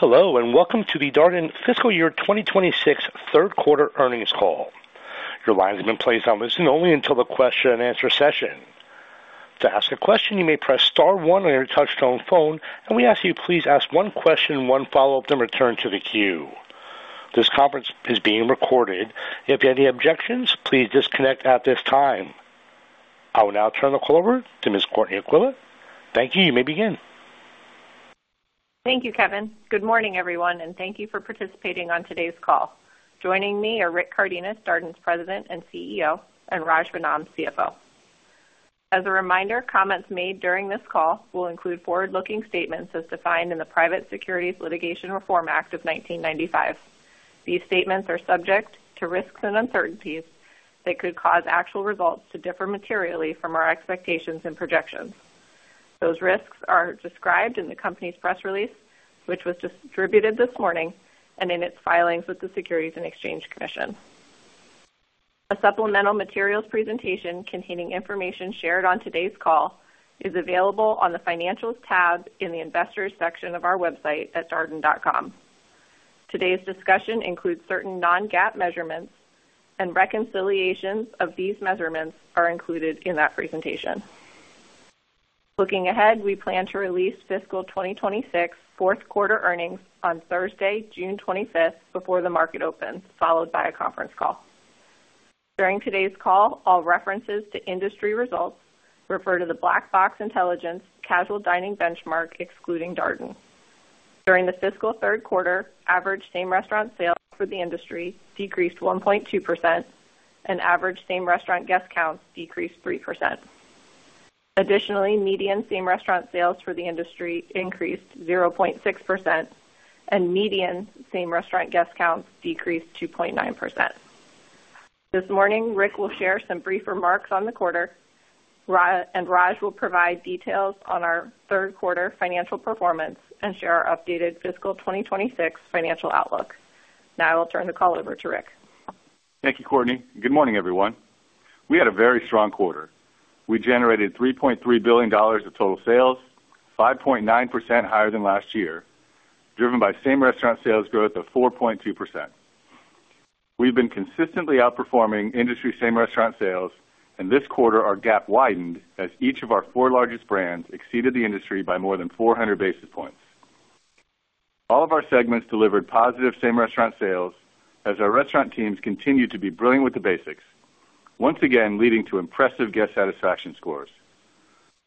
Hello and welcome to the Darden Fiscal Year 2026 third quarter earnings call. Your line has been placed on listen only until the question and answer session. To ask a question, you may press star one on your touchtone phone and we ask you please ask one question, one follow-up, then return to the queue. This conference is being recorded. If you have any objections, please disconnect at this time. I will now turn the call over to Ms. Courtney Aquila. Thank you. You may begin. Thank you, Kevin. Good morning, everyone and thank you for participating on today's call. Joining me are Rick Cardenas, Darden's President and CEO and Raj Vennam, CFO. As a reminder, comments made during this call will include forward-looking statements as defined in the Private Securities Litigation Reform Act of 1995. These statements are subject to risks and uncertainties that could cause actual results to differ materially from our expectations and projections. Those risks are described in the company's press release, which was distributed this morning and in its filings with the Securities and Exchange Commission. A supplemental materials presentation containing information shared on today's call is available on the Financials tab in the Investors section of our website at darden.com. Today's discussion includes certain non-GAAP measurements and reconciliations of these measurements are included in that presentation. Looking ahead, we plan to release fiscal 2026 fourth quarter earnings on Thursday, 25 June before the market opens, followed by a conference call. During today's call, all references to industry results refer to the Black Box Intelligence casual dining benchmark, excluding Darden. During the fiscal third quarter, average same-restaurant sales for the industry decreased 1.2% and average same-restaurant guest counts decreased 3%. Additionally, median same-restaurant sales for the industry increased 0.6% and median same-restaurant guest counts decreased 2.9%. This morning, Rick will share some brief remarks on the quarter and Raj will provide details on our third quarter financial performance and share our updated fiscal 2026 financial outlook. Now I will turn the call over to Rick. Thank you, Courtney. Good morning, everyone. We had a very strong quarter. We generated $3.3 billion of total sales, 5.9% higher than last year, driven by same-restaurant sales growth of 4.2%. We've been consistently outperforming industry same-restaurant sales and this quarter our gap widened as each of our four largest brands exceeded the industry by more than 400 basis points. All of our segments delivered positive same-restaurant sales as our restaurant teams continued to be brilliant with the basics, once again, leading to impressive guest satisfaction scores.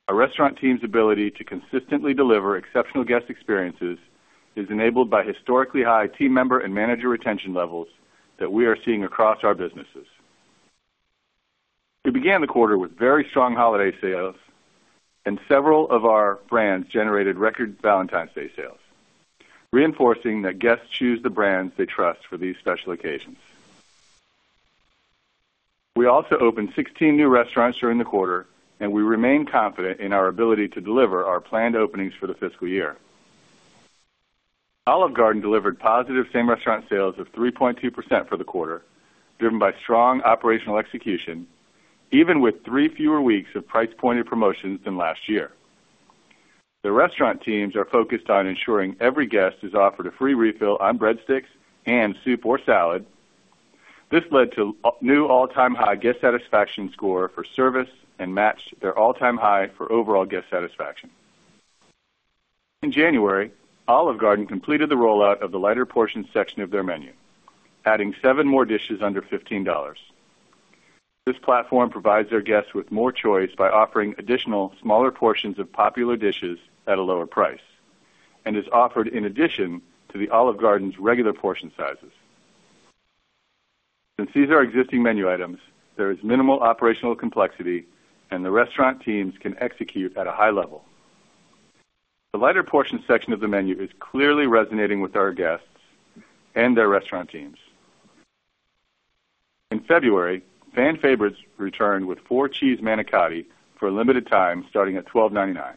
Our restaurant team's ability to consistently deliver exceptional guest experiences is enabled by historically high team member and manager retention levels that we are seeing across our businesses. We began the quarter with very strong holiday sales and several of our brands generated record Valentine's Day sales, reinforcing that guests choose the brands they trust for these special occasions. We also opened 16 new restaurants during the quarter and we remain confident in our ability to deliver our planned openings for the fiscal year. Olive Garden delivered positive same-restaurant sales of 3.2% for the quarter, driven by strong operational execution, even with three fewer weeks of price-pointed promotions than last year. The restaurant teams are focused on ensuring every guest is offered a free refill on breadsticks and soup or salad. This led to new all-time high guest satisfaction score for service and matched their all-time high for overall guest satisfaction. In January, Olive Garden completed the rollout of the lighter portion section of their menu, adding seven more dishes under $15. This platform provides their guests with more choice by offering additional smaller portions of popular dishes at a lower price and is offered in addition to the Olive Garden's regular portion sizes. Since these are existing menu items, there is minimal operational complexity and the restaurant teams can execute at a high level. The lighter portion section of the menu is clearly resonating with our guests and their restaurant teams. In February, fan favorites returned with Four-Cheese Manicotti for a limited time, starting at $12.99.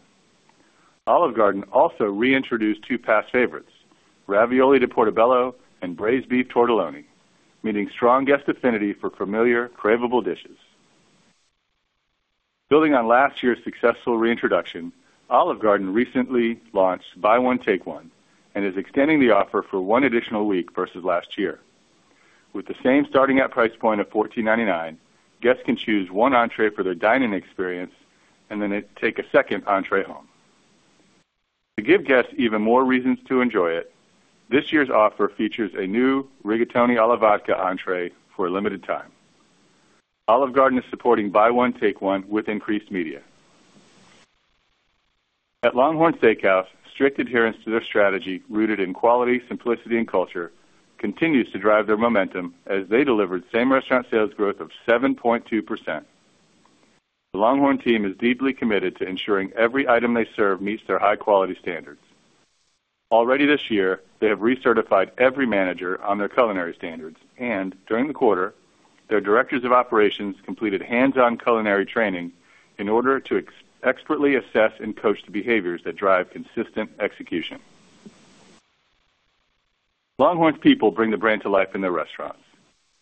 Olive Garden also reintroduced two past favorites, Ravioli di Portobello and Braised Beef Tortelloni, meeting strong guest affinity for familiar, cravable dishes. Building on last year's successful reintroduction, Olive Garden recently launched Buy One, Take One and is extending the offer for one additional week versus last year. With the same starting at price point of $14.99, guests can choose one entree for their dining experience and then they take a second entree home. To give guests even more reasons to enjoy it, this year's offer features a new Rigatoni alla Vodka entree for a limited time. Olive Garden is supporting Buy One, Take One with increased media. At LongHorn Steakhouse, strict adherence to their strategy rooted in quality, simplicity and culture continues to drive their momentum as they delivered same-restaurant sales growth of 7.2%. The LongHorn team is deeply committed to ensuring every item they serve meets their high-quality standards. Already this year, they have recertified every manager on their culinary standards and during the quarter, their directors of operations completed hands-on culinary training in order to expertly assess and coach the behaviors that drive consistent execution. LongHorn's people bring the brand to life in their restaurants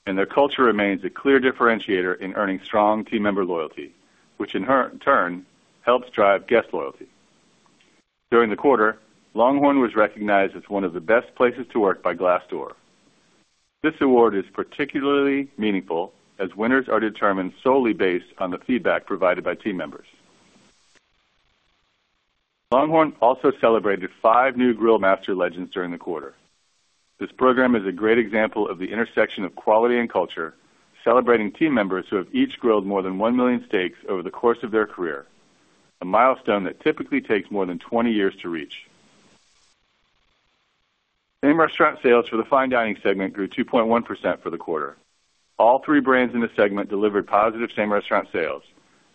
and their culture remains a clear differentiator in earning strong team member loyalty, which in turn helps drive guest loyalty. During the quarter, LongHorn was recognized as one of the best places to work by Glassdoor. This award is particularly meaningful as winners are determined solely based on the feedback provided by team members. LongHorn also celebrated five new Grillmaster Legends during the quarter. This program is a great example of the intersection of quality and culture, celebrating team members who have each grilled more than 1 million steaks over the course of their career, a milestone that typically takes more than 20 years to reach. Same-restaurant sales for the fine dining segment grew 2.1% for the quarter. All three brands in this segment delivered positive same-restaurant sales,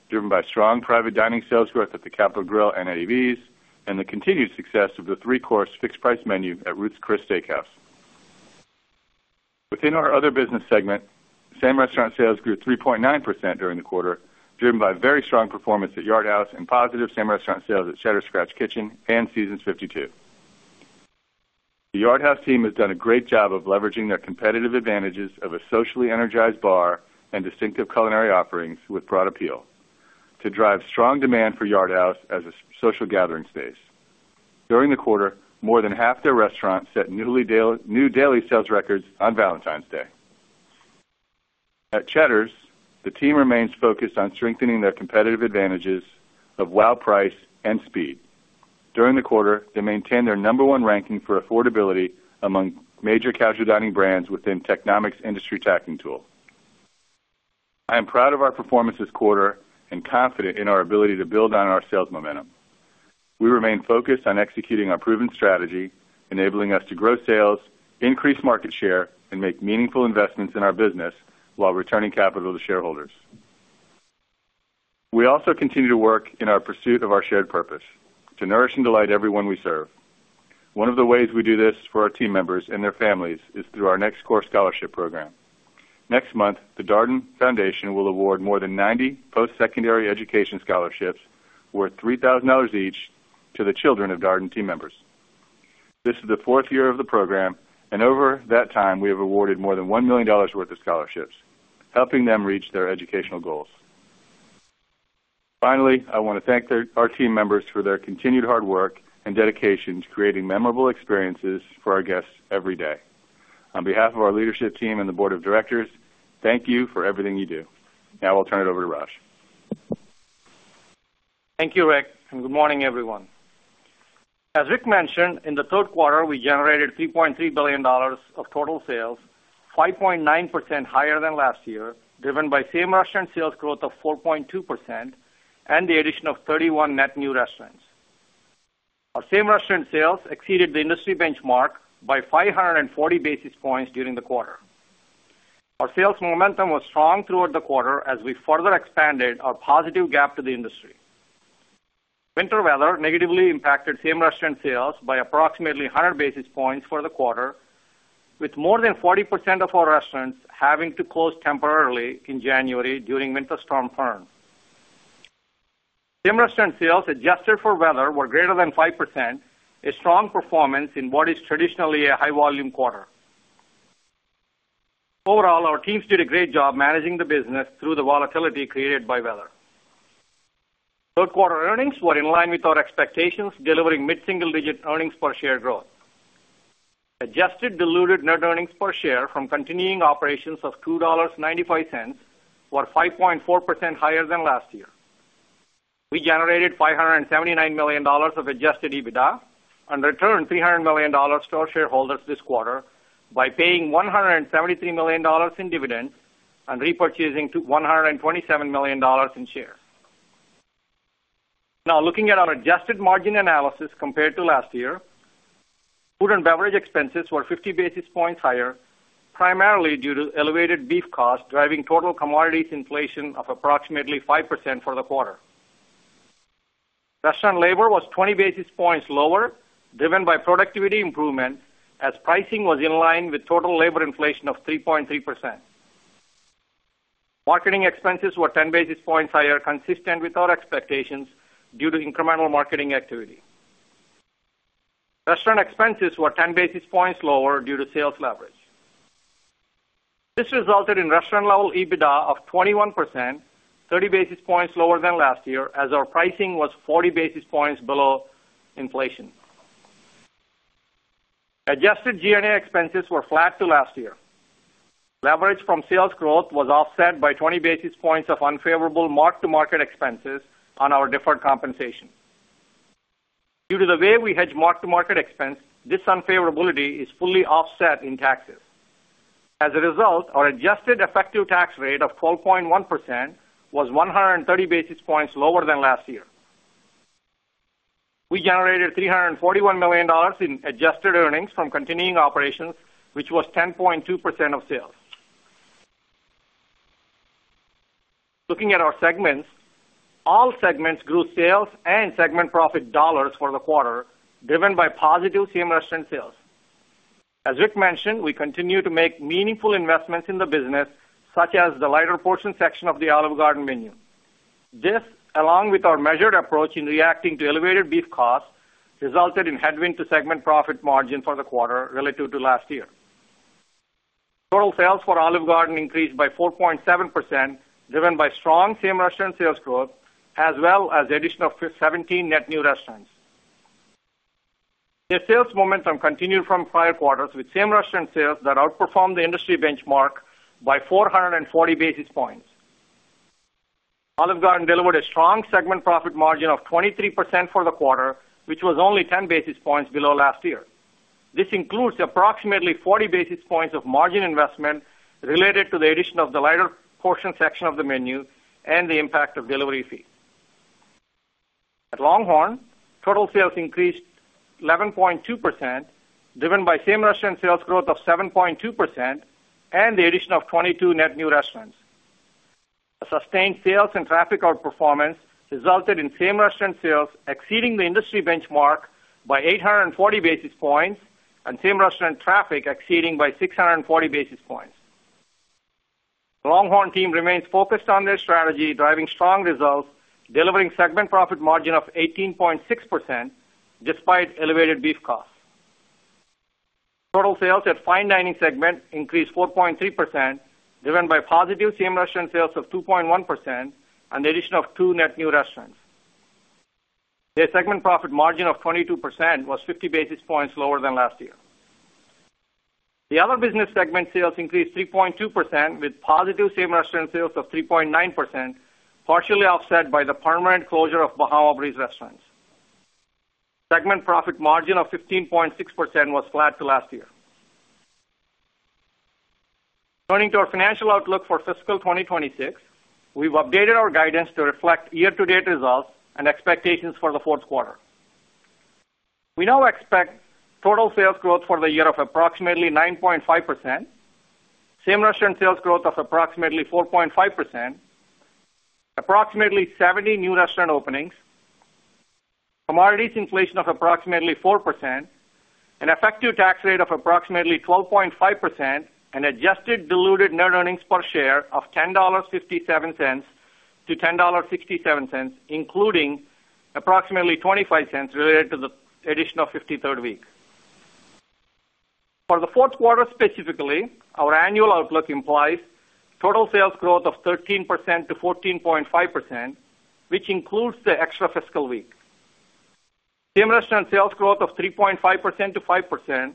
driven by strong private dining sales growth at The Capital Grille and Eddie V's and the continued success of the three-course fixed price menu at Ruth's Chris Steak House. Within our other business segment, same-restaurant sales grew 3.9% during the quarter, driven by very strong performance at Yard House and positive same-restaurant sales at Cheddar's Scratch Kitchen and Seasons 52. The Yard House team has done a great job of leveraging their competitive advantages of a socially energized bar and distinctive culinary offerings with broad appeal to drive strong demand for Yard House as a social gathering space. During the quarter, more than half their restaurants set new daily sales records on Valentine's Day. At Cheddar's, the team remains focused on strengthening their competitive advantages of wow price and speed. During the quarter, they maintained their number one ranking for affordability among major casual dining brands within Technomic's industry tracking tool. I am proud of our performance this quarter and confident in our ability to build on our sales momentum. We remain focused on executing our proven strategy, enabling us to grow sales, increase market share and make meaningful investments in our business while returning capital to shareholders. We also continue to work in our pursuit of our shared purpose: to nourish and delight everyone we serve. One of the ways we do this for our team members and their families is through our Next Course Scholarship program. Next month, the Darden Foundation will award more than 90 post-secondary education scholarships worth $3,000 each to the children of Darden team members. This is the fourth year of the program and over that time, we have awarded more than $1 million worth of scholarships, helping them reach their educational goals. Finally, I wanna thank our team members for their continued hard work and dedication to creating memorable experiences for our guests every day. On behalf of our leadership team and the board of directors, thank you for everything you do. Now, I'll turn it over to Raj. Thank you, Rick and good morning, everyone. As Rick mentioned, in the third quarter, we generated $3.3 billion of total sales, 5.9% higher than last year, driven by same-restaurant sales growth of 4.2% and the addition of 31 net new restaurants. Our same-restaurant sales exceeded the industry benchmark by 540 basis points during the quarter. Our sales momentum was strong throughout the quarter as we further expanded our positive gap to the industry. Winter weather negatively impacted same-restaurant sales by approximately 100 basis points for the quarter, with more than 40% of our restaurants having to close temporarily in January during winter storm Fern. Same-restaurant sales adjusted for weather were greater than 5%, a strong performance in what is traditionally a high volume quarter. Overall, our teams did a great job managing the business through the volatility created by weather. Third quarter earnings were in line with our expectations, delivering mid-single-digit earnings per share growth. Adjusted diluted net earnings per share from continuing operations of $2.95 were 5.4% higher than last year. We generated $579 million of adjusted EBITDA and returned $300 million to our shareholders this quarter by paying $173 million in dividends and repurchasing one hundred and twenty-seven million dollars in shares. Now looking at our adjusted margin analysis compared to last year, food and beverage expenses were 50 basis points higher, primarily due to elevated beef costs, driving total commodities inflation of approximately 5% for the quarter. Restaurant labor was 20 basis points lower, driven by productivity improvement as pricing was in line with total labor inflation of 3.3%. Marketing expenses were 10 basis points higher, consistent with our expectations due to incremental marketing activity. Restaurant expenses were 10 basis points lower due to sales leverage. This resulted in restaurant level EBITDA of 21%, 30 basis points lower than last year as our pricing was 40 basis points below inflation. Adjusted G&A expenses were flat to last year. Leverage from sales growth was offset by 20 basis points of unfavorable mark-to-market expenses on our deferred compensation. Due to the way we hedge mark-to-market expense, this unfavourability is fully offset in taxes. As a result, our adjusted effective tax rate of 12.1% was 130 basis points lower than last year. We generated $341 million in adjusted earnings from continuing operations, which was 10.2% of sales. Looking at our segments, all segments grew sales and segment profit dollars for the quarter, driven by positive same-restaurant sales. As Rick mentioned, we continue to make meaningful investments in the business, such as the lighter portion section of the Olive Garden menu. This, along with our measured approach in reacting to elevated beef costs, resulted in headwind to segment profit margin for the quarter relative to last year. Total sales for Olive Garden increased by 4.7%, driven by strong same-restaurant sales growth, as well as the addition of seventeen net new restaurants. The sales momentum continued from prior quarters with same-restaurant sales that outperformed the industry benchmark by 440 basis points. Olive Garden delivered a strong segment profit margin of 23% for the quarter, which was only 10 basis points below last year. This includes approximately 40 basis points of margin investment related to the addition of the lighter portion section of the menu and the impact of delivery fees. At LongHorn, total sales increased 11.2%, driven by same-restaurant sales growth of 7.2% and the addition of 22 net new restaurants. A sustained sales and traffic outperformance resulted in same-restaurant sales exceeding the industry benchmark by 840 basis points and same-restaurant traffic exceeding by 640 basis points. LongHorn team remains focused on their strategy, driving strong results, delivering segment profit margin of 18.6% despite elevated beef costs. Total sales at Fine Dining segment increased 4.3%, driven by positive same-restaurant sales of 2.1% and the addition of 2 net new restaurants. Their segment profit margin of 22% was 50 basis points lower than last year. The Other Business segment sales increased 3.2%, with positive same-restaurant sales of 3.9%, partially offset by the permanent closure of Bahama Breeze restaurants. Segment profit margin of 15.6% was flat to last year. Turning to our financial outlook for fiscal 2026, we've updated our guidance to reflect year-to-date results and expectations for the fourth quarter. We now expect total sales growth for the year of approximately 9.5%, same-restaurant sales growth of approximately 4.5%, approximately 70 new restaurant openings, commodities inflation of approximately 4%, an effective tax rate of approximately 12.5% and adjusted diluted net earnings per share of $10.57-$10.67, including approximately $0.25 related to the addition of 53rd week. For the fourth quarter specifically, our annual outlook implies total sales growth of 13%-14.5%, which includes the extra fiscal week. Same-restaurant sales growth of 3.5%-5%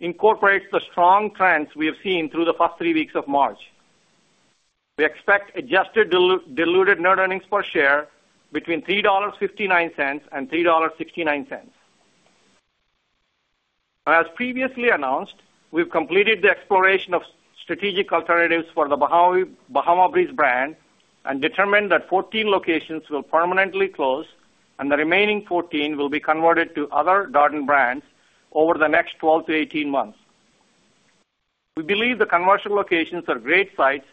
incorporates the strong trends we have seen through the first three weeks of March. We expect adjusted diluted net earnings per share between $3.59 and $3.69. As previously announced, we've completed the exploration of strategic alternatives for the Bahama Breeze brand and determined that 14 locations will permanently close and the remaining 14 will be converted to other Darden brands over the next 12-18 months. We believe the conversion locations are great sites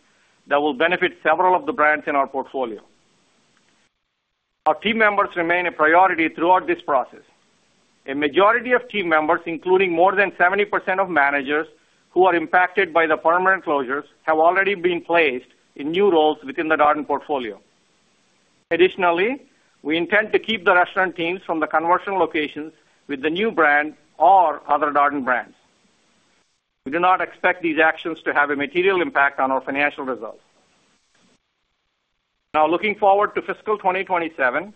that will benefit several of the brands in our portfolio. Our team members remain a priority throughout this process. A majority of team members, including more than 70% of managers who are impacted by the permanent closures, have already been placed in new roles within the Darden portfolio. Additionally, we intend to keep the restaurant teams from the conversion locations with the new brand or other Darden brands. We do not expect these actions to have a material impact on our financial results. Now, looking forward to fiscal 2027,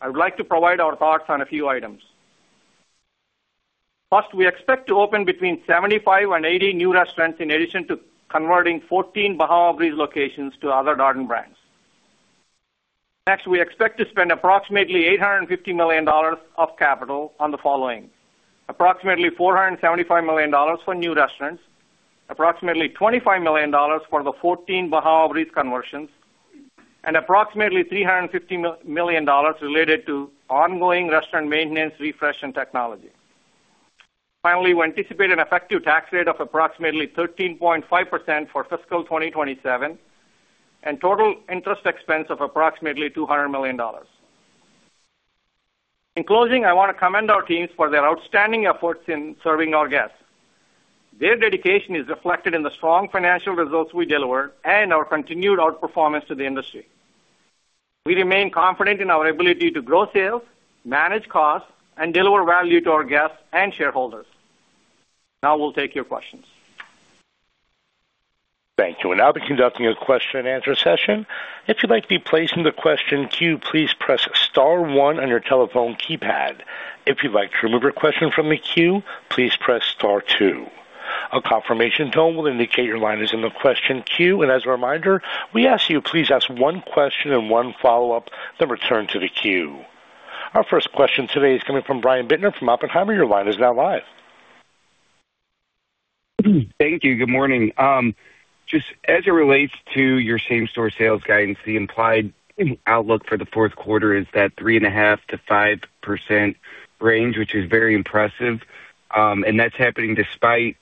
I would like to provide our thoughts on a few items. First, we expect to open between 75-80 new restaurants in addition to converting 14 Bahama Breeze locations to other Darden brands. Next, we expect to spend approximately $850 million of capital on the following, approximately $475 million for new restaurants, approximately $25 million for the 14 Bahama Breeze conversions and approximately $350 million related to ongoing restaurant maintenance, refresh and technology. Finally, we anticipate an effective tax rate of approximately 13.5% for fiscal 2027 and total interest expense of approximately $200 million. In closing, I want to commend our teams for their outstanding efforts in serving our guests. Their dedication is reflected in the strong financial results we deliver and our continued outperformance to the industry. We remain confident in our ability to grow sales, manage costs and deliver value to our guests and shareholders. Now we'll take your questions. Thank you. We'll now be conducting a question-and-answer session. If you'd like to be placed in the question queue, please press star one on your telephone keypad. If you'd like to remove your question from the queue, please press star two. A confirmation tone will indicate your line is in the question queue. As a reminder, we ask you please ask one question and one follow-up, then return to the queue. Our first question today is coming from Brian Bittner from Oppenheimer. Your line is now live. Thank you. Good morning. Just as it relates to your same-store sales guidance, the implied outlook for the fourth quarter is that 3.5%-5% range, which is very impressive. That's happening despite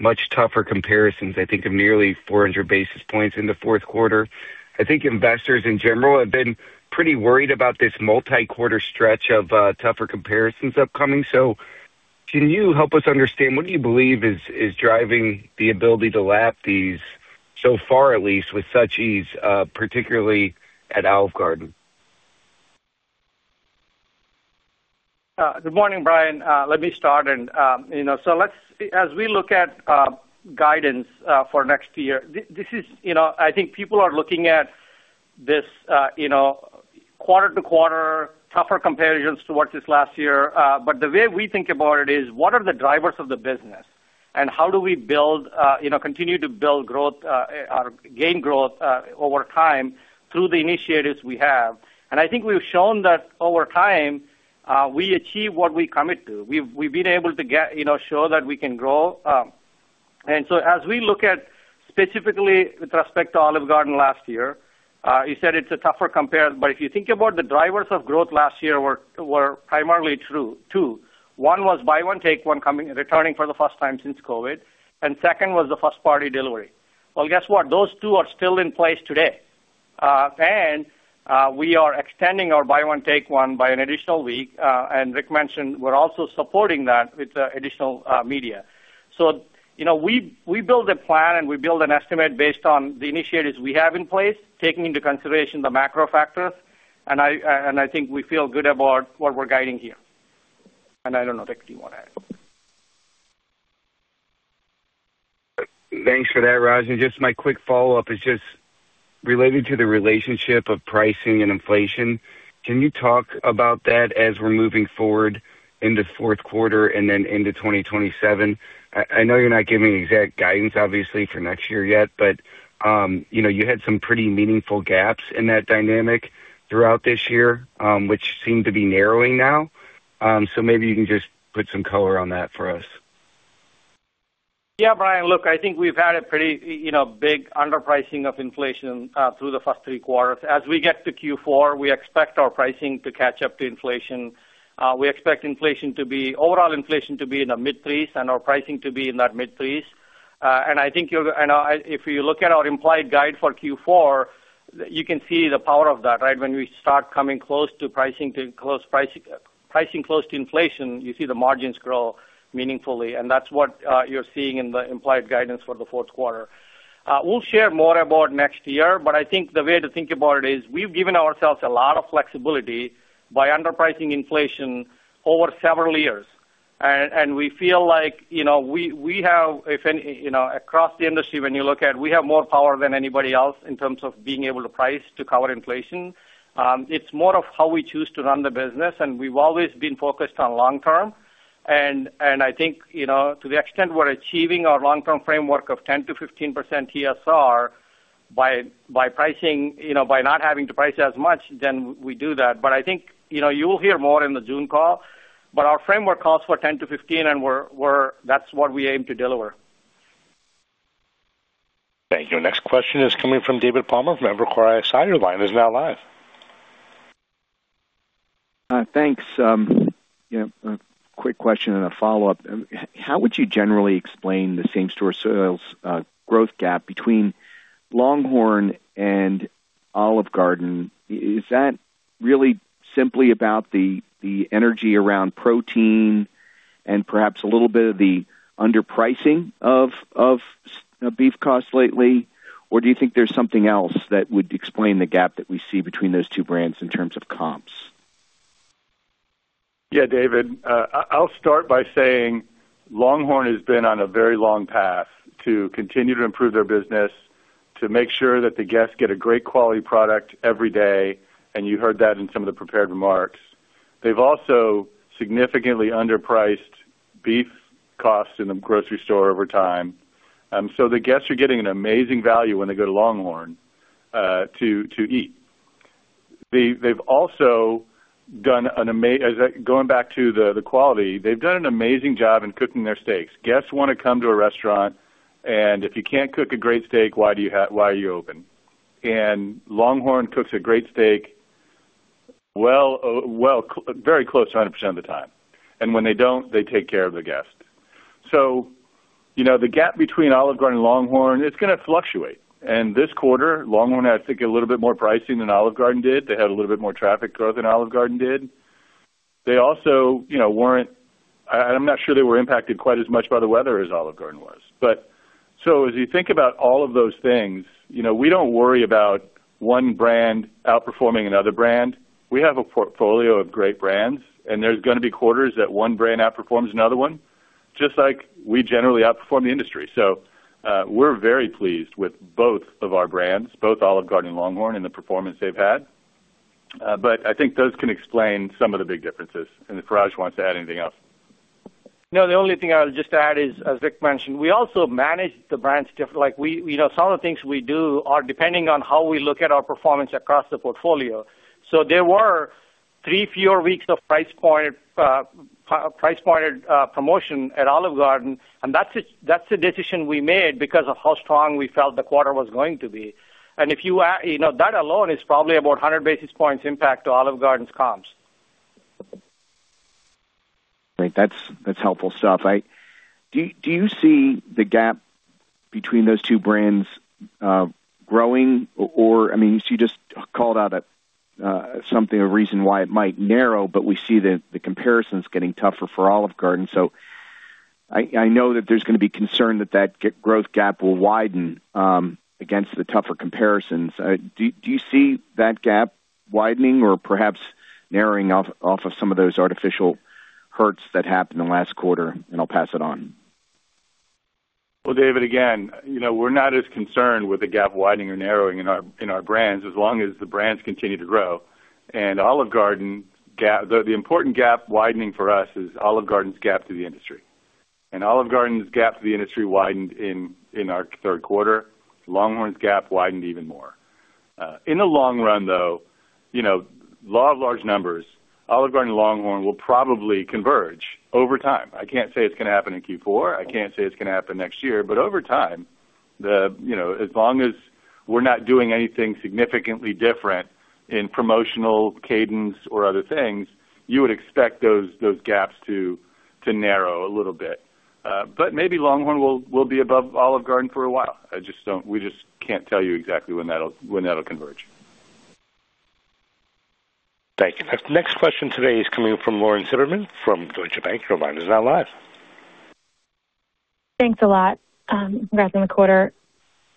much tougher comparisons, I think, of nearly 400 basis points in the fourth quarter. I think investors in general have been pretty worried about this multi-quarter stretch of tougher comparisons upcoming. Can you help us understand what do you believe is driving the ability to lap these so far, at least with such ease, particularly at Olive Garden? Good morning, Brian. Let me start. You know, so let's as we look at guidance for next year, this is, you know, I think people are looking at this, you know, quarter to quarter, tougher comparisons toward the last year. But the way we think about it is what are the drivers of the business and how do we build, you know, continue to build growth or gain growth over time through the initiatives we have. I think we've shown that over time, we achieve what we commit to. We've been able to get, you know, show that we can grow. As we look at specifically with respect to Olive Garden last year, you said it's a tougher compare but if you think about the drivers of growth last year were primarily two. One was Buy One, Take One returning for the first time since COVID and second was the first party delivery. Well, guess what? Those two are still in place today. We are extending our Buy One, Take One by an additional week. Rick mentioned we're also supporting that with additional media. You know, we build a plan and we build an estimate based on the initiatives we have in place, taking into consideration the macro factors. I think we feel good about what we're guiding here. I don't know if Rick you wanna add. Thanks for that, Raj. Just my quick follow-up is just related to the relationship of pricing and inflation. Can you talk about that as we're moving forward into fourth quarter and then into 2027? I know you're not giving exact guidance obviously for next year yet but you know, you had some pretty meaningful gaps in that dynamic throughout this year, which seem to be narrowing now. Maybe you can just put some color on that for us. Yeah, Brian, look, I think we've had a pretty, you know, big underpricing of inflation through the first three quarters. As we get to Q4, we expect our pricing to catch up to inflation. We expect overall inflation to be in the mid-threes and our pricing to be in that mid-threes. And I think if you look at our implied guide for Q4, you can see the power of that, right? When we start coming close to pricing close to inflation, you see the margins grow meaningfully and that's what you're seeing in the implied guidance for the fourth quarter. We'll share more about next year but I think the way to think about it is we've given ourselves a lot of flexibility by underpricing inflation over several years. We feel like, you know, we have, if any, you know, across the industry, when you look at we have more power than anybody else in terms of being able to price to cover inflation. It's more of how we choose to run the business and we've always been focused on long-term. I think, you know, to the extent we're achieving our long-term framework of 10%-15% TSR by pricing, you know, by not having to price as much, then we do that. I think, you know, you'll hear more in the June call but our framework calls for 10-15 and we're, that's what we aim to deliver. Thank you. Next question is coming from David Palmer from Evercore ISI. Your line is now live. Thanks. You know, a quick question and a follow-up. How would you generally explain the same-store sales growth gap between LongHorn and Olive Garden? Is that really simply about the energy around protein and perhaps a little bit of the underpricing of beef costs lately? Or do you think there's something else that would explain the gap that we see between those two brands in terms of comps? Yeah, David, I'll start by saying LongHorn has been on a very long path to continue to improve their business, to make sure that the guests get a great quality product every day and you heard that in some of the prepared remarks. They've also significantly underpriced beef costs in the grocery store over time. The guests are getting an amazing value when they go to LongHorn to eat. They've also done an amazing job in cooking their steaks. Going back to the quality, they've done an amazing job in cooking their steaks. Guests wanna come to a restaurant and if you can't cook a great steak, why are you open? LongHorn cooks a great steak well very close to 100% of the time. When they don't, they take care of the guest. You know, the gap between Olive Garden and LongHorn, it's gonna fluctuate. This quarter, LongHorn had, I think, a little bit more pricing than Olive Garden did. They had a little bit more traffic growth than Olive Garden did. They also, you know, I'm not sure they were impacted quite as much by the weather as Olive Garden was. As you think about all of those things, you know, we don't worry about one brand outperforming another brand. We have a portfolio of great brands and there's gonna be quarters that one brand outperforms another one, just like we generally outperform the industry. We're very pleased with both of our brands, both Olive Garden and LongHorn and the performance they've had. I think those can explain some of the big differences, unless Raj wants to add anything else. No, the only thing I'll just add is, as Rick mentioned, we also manage the brands. Like, we know some of the things we do are depending on how we look at our performance across the portfolio. There were three fewer weeks of price point promotion at Olive Garden and that's a decision we made because of how strong we felt the quarter was going to be. You know, that alone is probably about 100 basis points impact to Olive Garden's comps. Great. That's helpful stuff. Do you see the gap between those two brands growing or, I mean, you just called out something, a reason why it might narrow but we see the comparisons getting tougher for Olive Garden. I know that there's gonna be concern that growth gap will widen against the tougher comparisons. Do you see that gap widening or perhaps narrowing off of some of those artificial hurts that happened in the last quarter? I'll pass it on. Well, David, again, you know, we're not as concerned with the gap widening or narrowing in our brands as long as the brands continue to grow. Olive Garden. The important gap widening for us is Olive Garden's gap to the industry. Olive Garden's gap to the industry widened in our third quarter. LongHorn's gap widened even more. In the long run, though, you know, law of large numbers, Olive Garden and LongHorn will probably converge over time. I can't say it's gonna happen in Q4. I can't say it's gonna happen next year. Over time, you know, as long as we're not doing anything significantly different in promotional cadence or other things, you would expect those gaps to narrow a little bit. Maybe LongHorn will be above Olive Garden for a while. We just can't tell you exactly when that'll converge. Thank you. Next question today is coming from Lauren Silberman from Deutsche Bank. Your line is now live. Thanks a lot. Congrats on the quarter.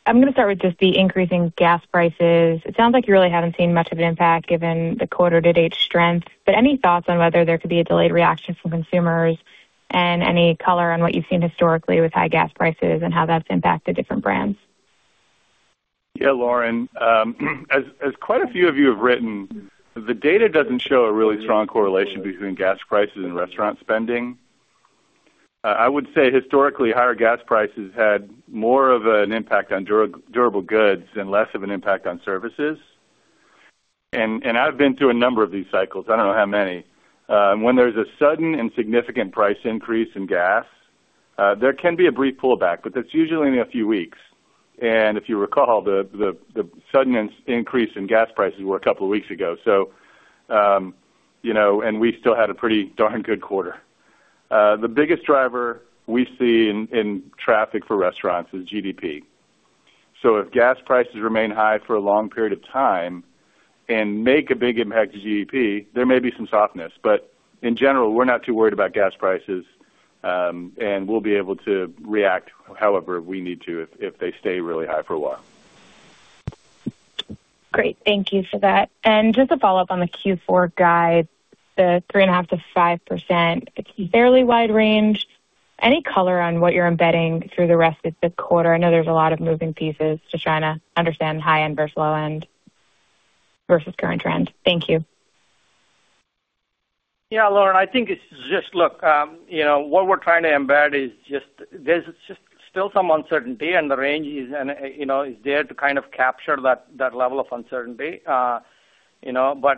I'm gonna start with just the increasing gas prices. It sounds like you really haven't seen much of an impact given the quarter-to-date strength but any thoughts on whether there could be a delayed reaction from consumers and any color on what you've seen historically with high gas prices and how that's impacted different brands? Yeah, Lauren. As quite a few of you have written, the data doesn't show a really strong correlation between gas prices and restaurant spending. I would say historically, higher gas prices had more of an impact on durable goods and less of an impact on services. I've been through a number of these cycles. I don't know how many. When there's a sudden and significant price increase in gas, there can be a brief pullback but that's usually only a few weeks. If you recall, the sudden increase in gas prices were a couple of weeks ago, so you know and we still had a pretty darn good quarter. The biggest driver we see in traffic for restaurants is GDP. If gas prices remain high for a long period of time and make a big impact to GDP, there may be some softness but in general, we're not too worried about gas prices and we'll be able to react however we need to if they stay really high for a while. Great. Thank you for that. Just a follow-up on the Q4 guide, the 3.5%-5%, it's a fairly wide range. Any color on what you're embedding through the rest of the quarter? I know there's a lot of moving pieces. Just trying to understand high end versus low end versus current trends. Thank you. Yeah, Lauren, I think it's just, look, you know, what we're trying to embed is just, there's just still some uncertainty and the range is, you know, there to kind of capture that level of uncertainty. You know,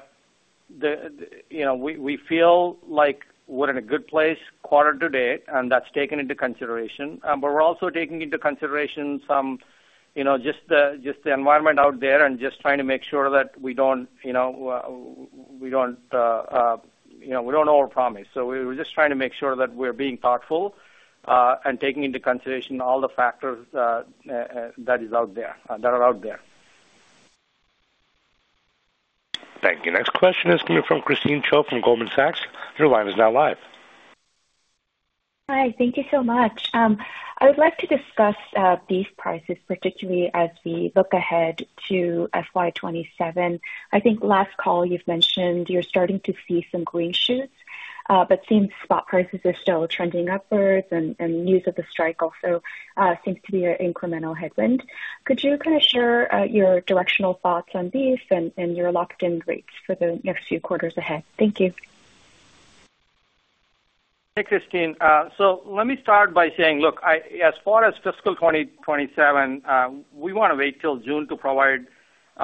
we feel like we're in a good place quarter to date and that's taken into consideration but we're also taking into consideration some, you know, just the environment out there and just trying to make sure that we don't, you know, we don't overpromise. We're just trying to make sure that we're being thoughtful and taking into consideration all the factors that are out there. Thank you. Next question is coming from Christine Cho from Goldman Sachs. Your line is now live. Hi. Thank you so much. I would like to discuss beef prices, particularly as we look ahead to FY 2027. I think last call you've mentioned you're starting to see some green shoots but since spot prices are still trending upwards and news of the strike also seems to be an incremental headwind, could you kind of share your directional thoughts on beef and your locked-in rates for the next few quarters ahead? Thank you. Hey, Christine. Let me start by saying, look, as far as fiscal 2027, we wanna wait till June to provide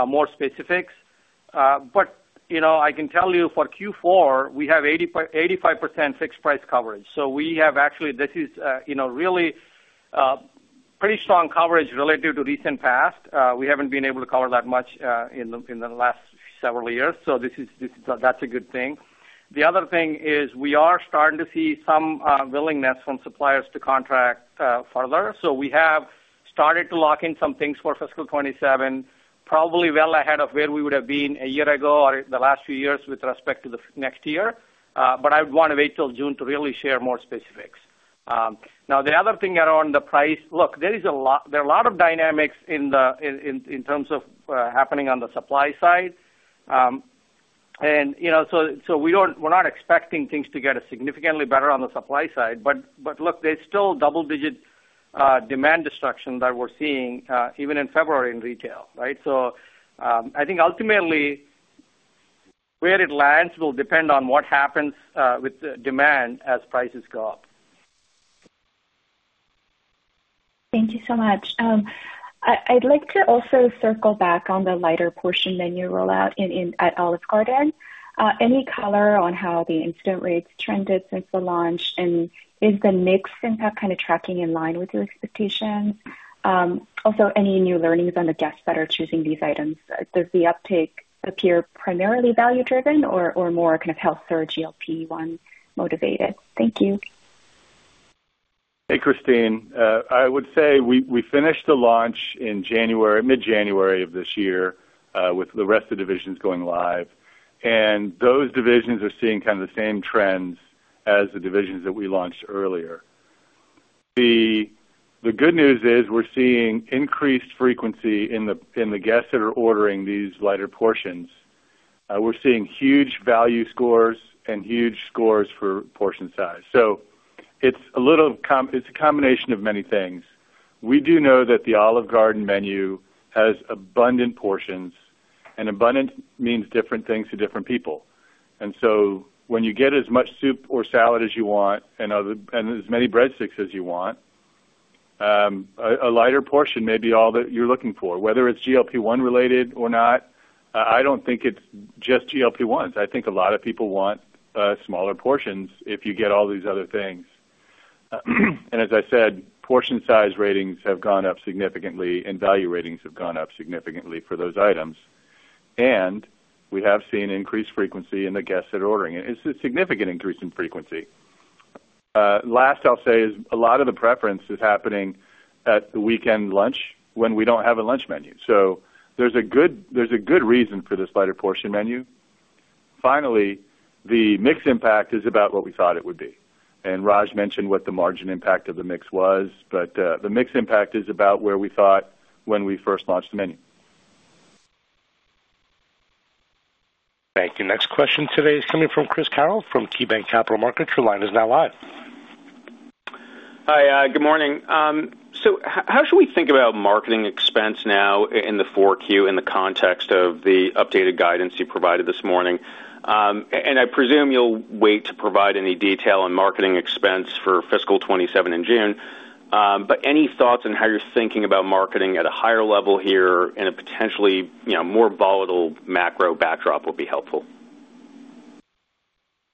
more specifics. You know, I can tell you for Q4, we have 85% fixed price coverage. This is, you know, really, pretty strong coverage relative to recent past. We haven't been able to cover that much in the last several years, that's a good thing. The other thing is we are starting to see some willingness from suppliers to contract further. We have started to lock in some things for fiscal 2027, probably well ahead of where we would have been a year ago or the last few years with respect to the fiscal next year. I would wanna wait till June to really share more specifics. Now the other thing around the price, look, there are a lot of dynamics in terms of happening on the supply side. You know, so we don't, we're not expecting things to get significantly better on the supply side. But look, there's still double-digit demand destruction that we're seeing even in February in retail, right? I think ultimately, where it lands will depend on what happens with demand as prices go up. Thank you so much. I'd like to also circle back on the lighter portion menu rollout in at Olive Garden. Any color on how the in-store rates trended since the launch and is the mix impact kind of tracking in line with your expectations? Also, any new learnings on the guests that are choosing these items? Does the uptake appear primarily value-driven or more kind of health or GLP-1 motivated? Thank you. Hey, Christine. I would say we finished the launch in January, mid-January of this year, with the rest of the divisions going live. Those divisions are seeing kind of the same trends as the divisions that we launched earlier. The good news is we're seeing increased frequency in the guests that are ordering these lighter portions. We're seeing huge value scores and huge scores for portion size. It's a combination of many things. We do know that the Olive Garden menu has abundant portions and abundant means different things to different people. When you get as much soup or salad as you want and as many breadsticks as you want, a lighter portion may be all that you're looking for. Whether it's GLP-1 related or not, I don't think it's just GLP-1s. I think a lot of people want smaller portions if you get all these other things. As I said, portion size ratings have gone up significantly and value ratings have gone up significantly for those items. We have seen increased frequency in the guests that are ordering it. It's a significant increase in frequency. Last I'll say is a lot of the preference is happening at the weekend lunch when we don't have a lunch menu. So there's a good reason for this lighter portion menu. Finally, the mix impact is about what we thought it would be. Raj mentioned what the margin impact of the mix was but the mix impact is about where we thought when we first launched the menu. Thank you. Next question today is coming from Chris Carril from KeyBanc Capital Markets. Your line is now live. Hi. Good morning. How should we think about marketing expense now in the 4Q in the context of the updated guidance you provided this morning? I presume you'll wait to provide any detail on marketing expense for fiscal 2027 in June. Any thoughts on how you're thinking about marketing at a higher level here in a potentially, you know, more volatile macro backdrop will be helpful.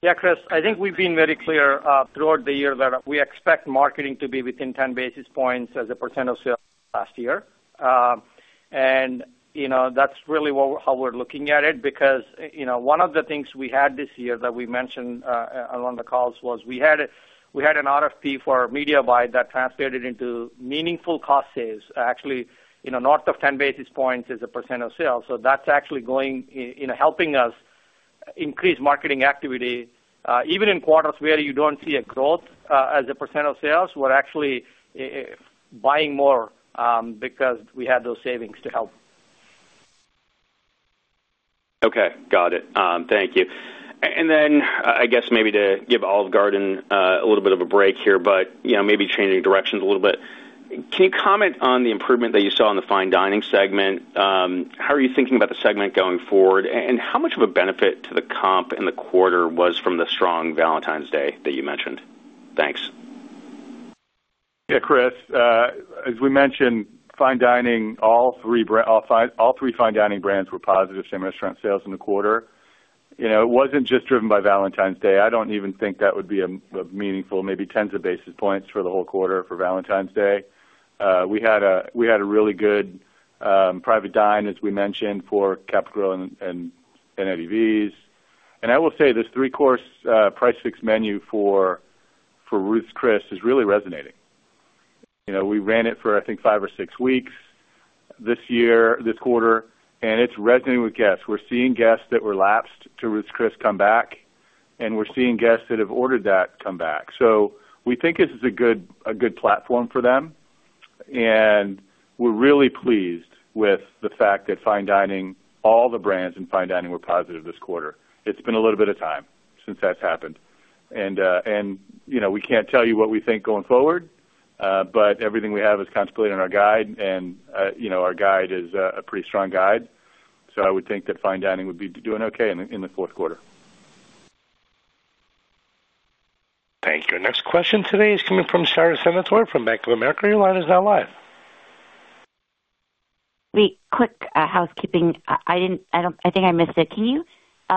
Yeah, Chris. I think we've been very clear throughout the year that we expect marketing to be within 10 basis points as a percent of sales last year. You know, that's really how we're looking at it because, you know, one of the things we had this year that we mentioned on the calls was we had an RFP for our media buy that translated into meaningful cost savings, actually, you know, north of 10 basis points as a percent of sales. That's actually going, you know, helping us increase marketing activity even in quarters where you don't see a growth as a percent of sales. We're actually buying more because we have those savings to help. Okay. Got it. Thank you. I guess maybe to give Olive Garden a little bit of a break here but you know, maybe changing directions a little bit. Can you comment on the improvement that you saw in the fine dining segment? How are you thinking about the segment going forward? And how much of a benefit to the comp in the quarter was from the strong Valentine's Day that you mentioned? Thanks. Yeah, Chris. As we mentioned, fine dining, all three fine dining brands were positive same-restaurant sales in the quarter. You know, it wasn't just driven by Valentine's Day. I don't even think that would be a meaningful, maybe tens of basis points for the whole quarter for Valentine's Day. We had a really good private dining, as we mentioned, for Capital Grille and Eddie V's. I will say, this three-course prix fixe menu for Ruth's Chris is really resonating. You know, we ran it for I think five or six weeks this year, this quarter and it's resonating with guests. We're seeing guests that were lapsed to Ruth's Chris come back and we're seeing guests that have ordered that come back. We think this is a good platform for them and we're really pleased with the fact that fine dining, all the brands in fine dining were positive this quarter. It's been a little bit of time since that's happened. You know, we can't tell you what we think going forward but everything we have is kind of played in our guide, you know, our guide is a pretty strong guide. I would think that fine dining would be doing okay in the fourth quarter. Thank you. Next question today is coming from Sara Senatore from Bank of America. Your line is now live. Wait. Quick housekeeping. I think I missed it. Can you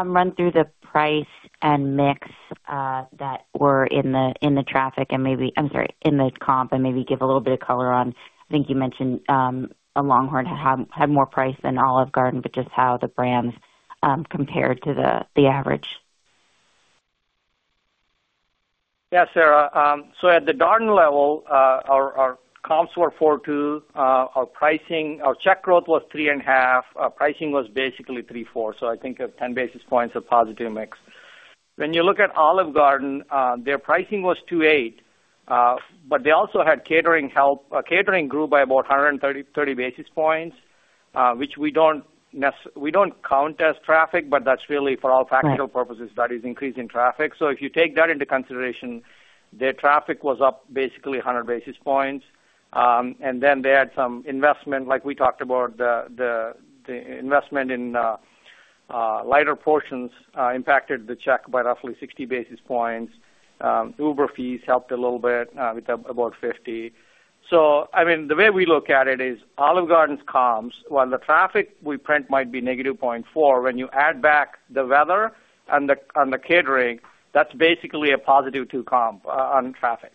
run through the price and mix that were in the comp and maybe give a little bit of color on, I think you mentioned, a LongHorn had more price than Olive Garden but just how the brands compared to the average. Yeah, Sara Senatore. At Olive Garden level, our comps were 4.2%. Our check growth was 3.5%. Pricing was basically 3.4%, so I think 10 basis points of positive mix. When you look at Olive Garden, their pricing was 2.8% but they also had catering help. Catering grew by about 130 basis points, which we don't count as traffic but that's really for all intents and purposes, that is increasing traffic. If you take that into consideration, their traffic was up basically 100 basis points. Then they had some investment like we talked about. The investment in lighter portions impacted the check by roughly 60 basis points. Uber fees helped a little bit with about 50. I mean, the way we look at it is Olive Garden's comps, while the traffic we print might be -0.4%, when you add back the weather and the catering, that's basically a 2% comp on traffic.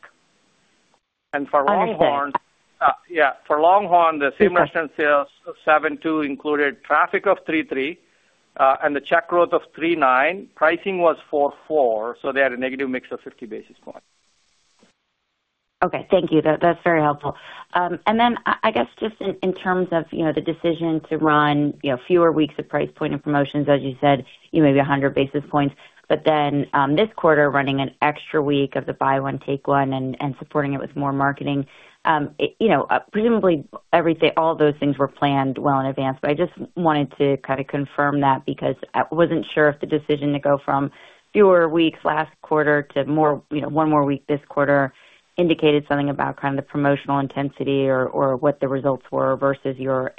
For LongHorn, the same-restaurant sales of 7.2% included traffic of 3.3%. The check growth of 3.9%, pricing was 4.4%, so they had a negative mix of 50 basis points. Okay. Thank you. That's very helpful. I guess just in terms of, you know, the decision to run, you know, fewer weeks of price point and promotions, as you said, you know, maybe 100 basis points. This quarter running an extra week of the Buy One, Take One and supporting it with more marketing, it, you know, presumably all those things were planned well in advance. I just wanted to kind of confirm that because I wasn't sure if the decision to go from fewer weeks last quarter to more, you know, one more week this quarter indicated something about kind of the promotional intensity or what the results were versus your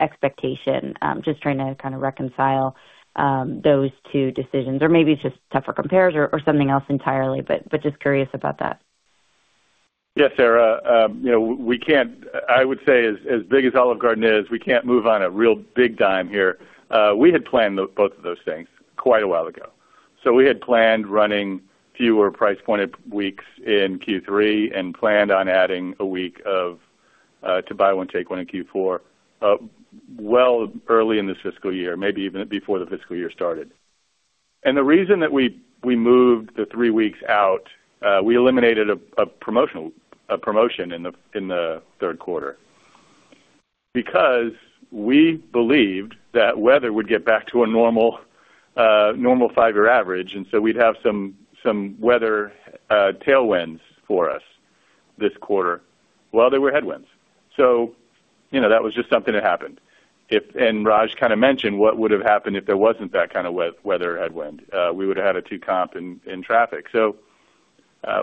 expectation. Just trying to kind of reconcile those two decisions. Maybe it's just tougher compares or something else entirely but just curious about that. Yes, Sara. You know, we can't move on a real big dime here. I would say as big as Olive Garden is, we can't move on a real big dime here. We had planned both of those things quite a while ago. We had planned running fewer price pointed weeks in Q3 and planned on adding a week of Buy One, Take One in Q4, well early in this fiscal year, maybe even before the fiscal year started. The reason that we moved the three weeks out, we eliminated a promotion in the third quarter because we believed that weather would get back to a normal five-year average and so we'd have some weather tailwinds for us this quarter. Well, they were headwinds. You know, that was just something that happened. Raj kind of mentioned what would have happened if there wasn't that kind of weather headwind. We would've had a two comp in traffic.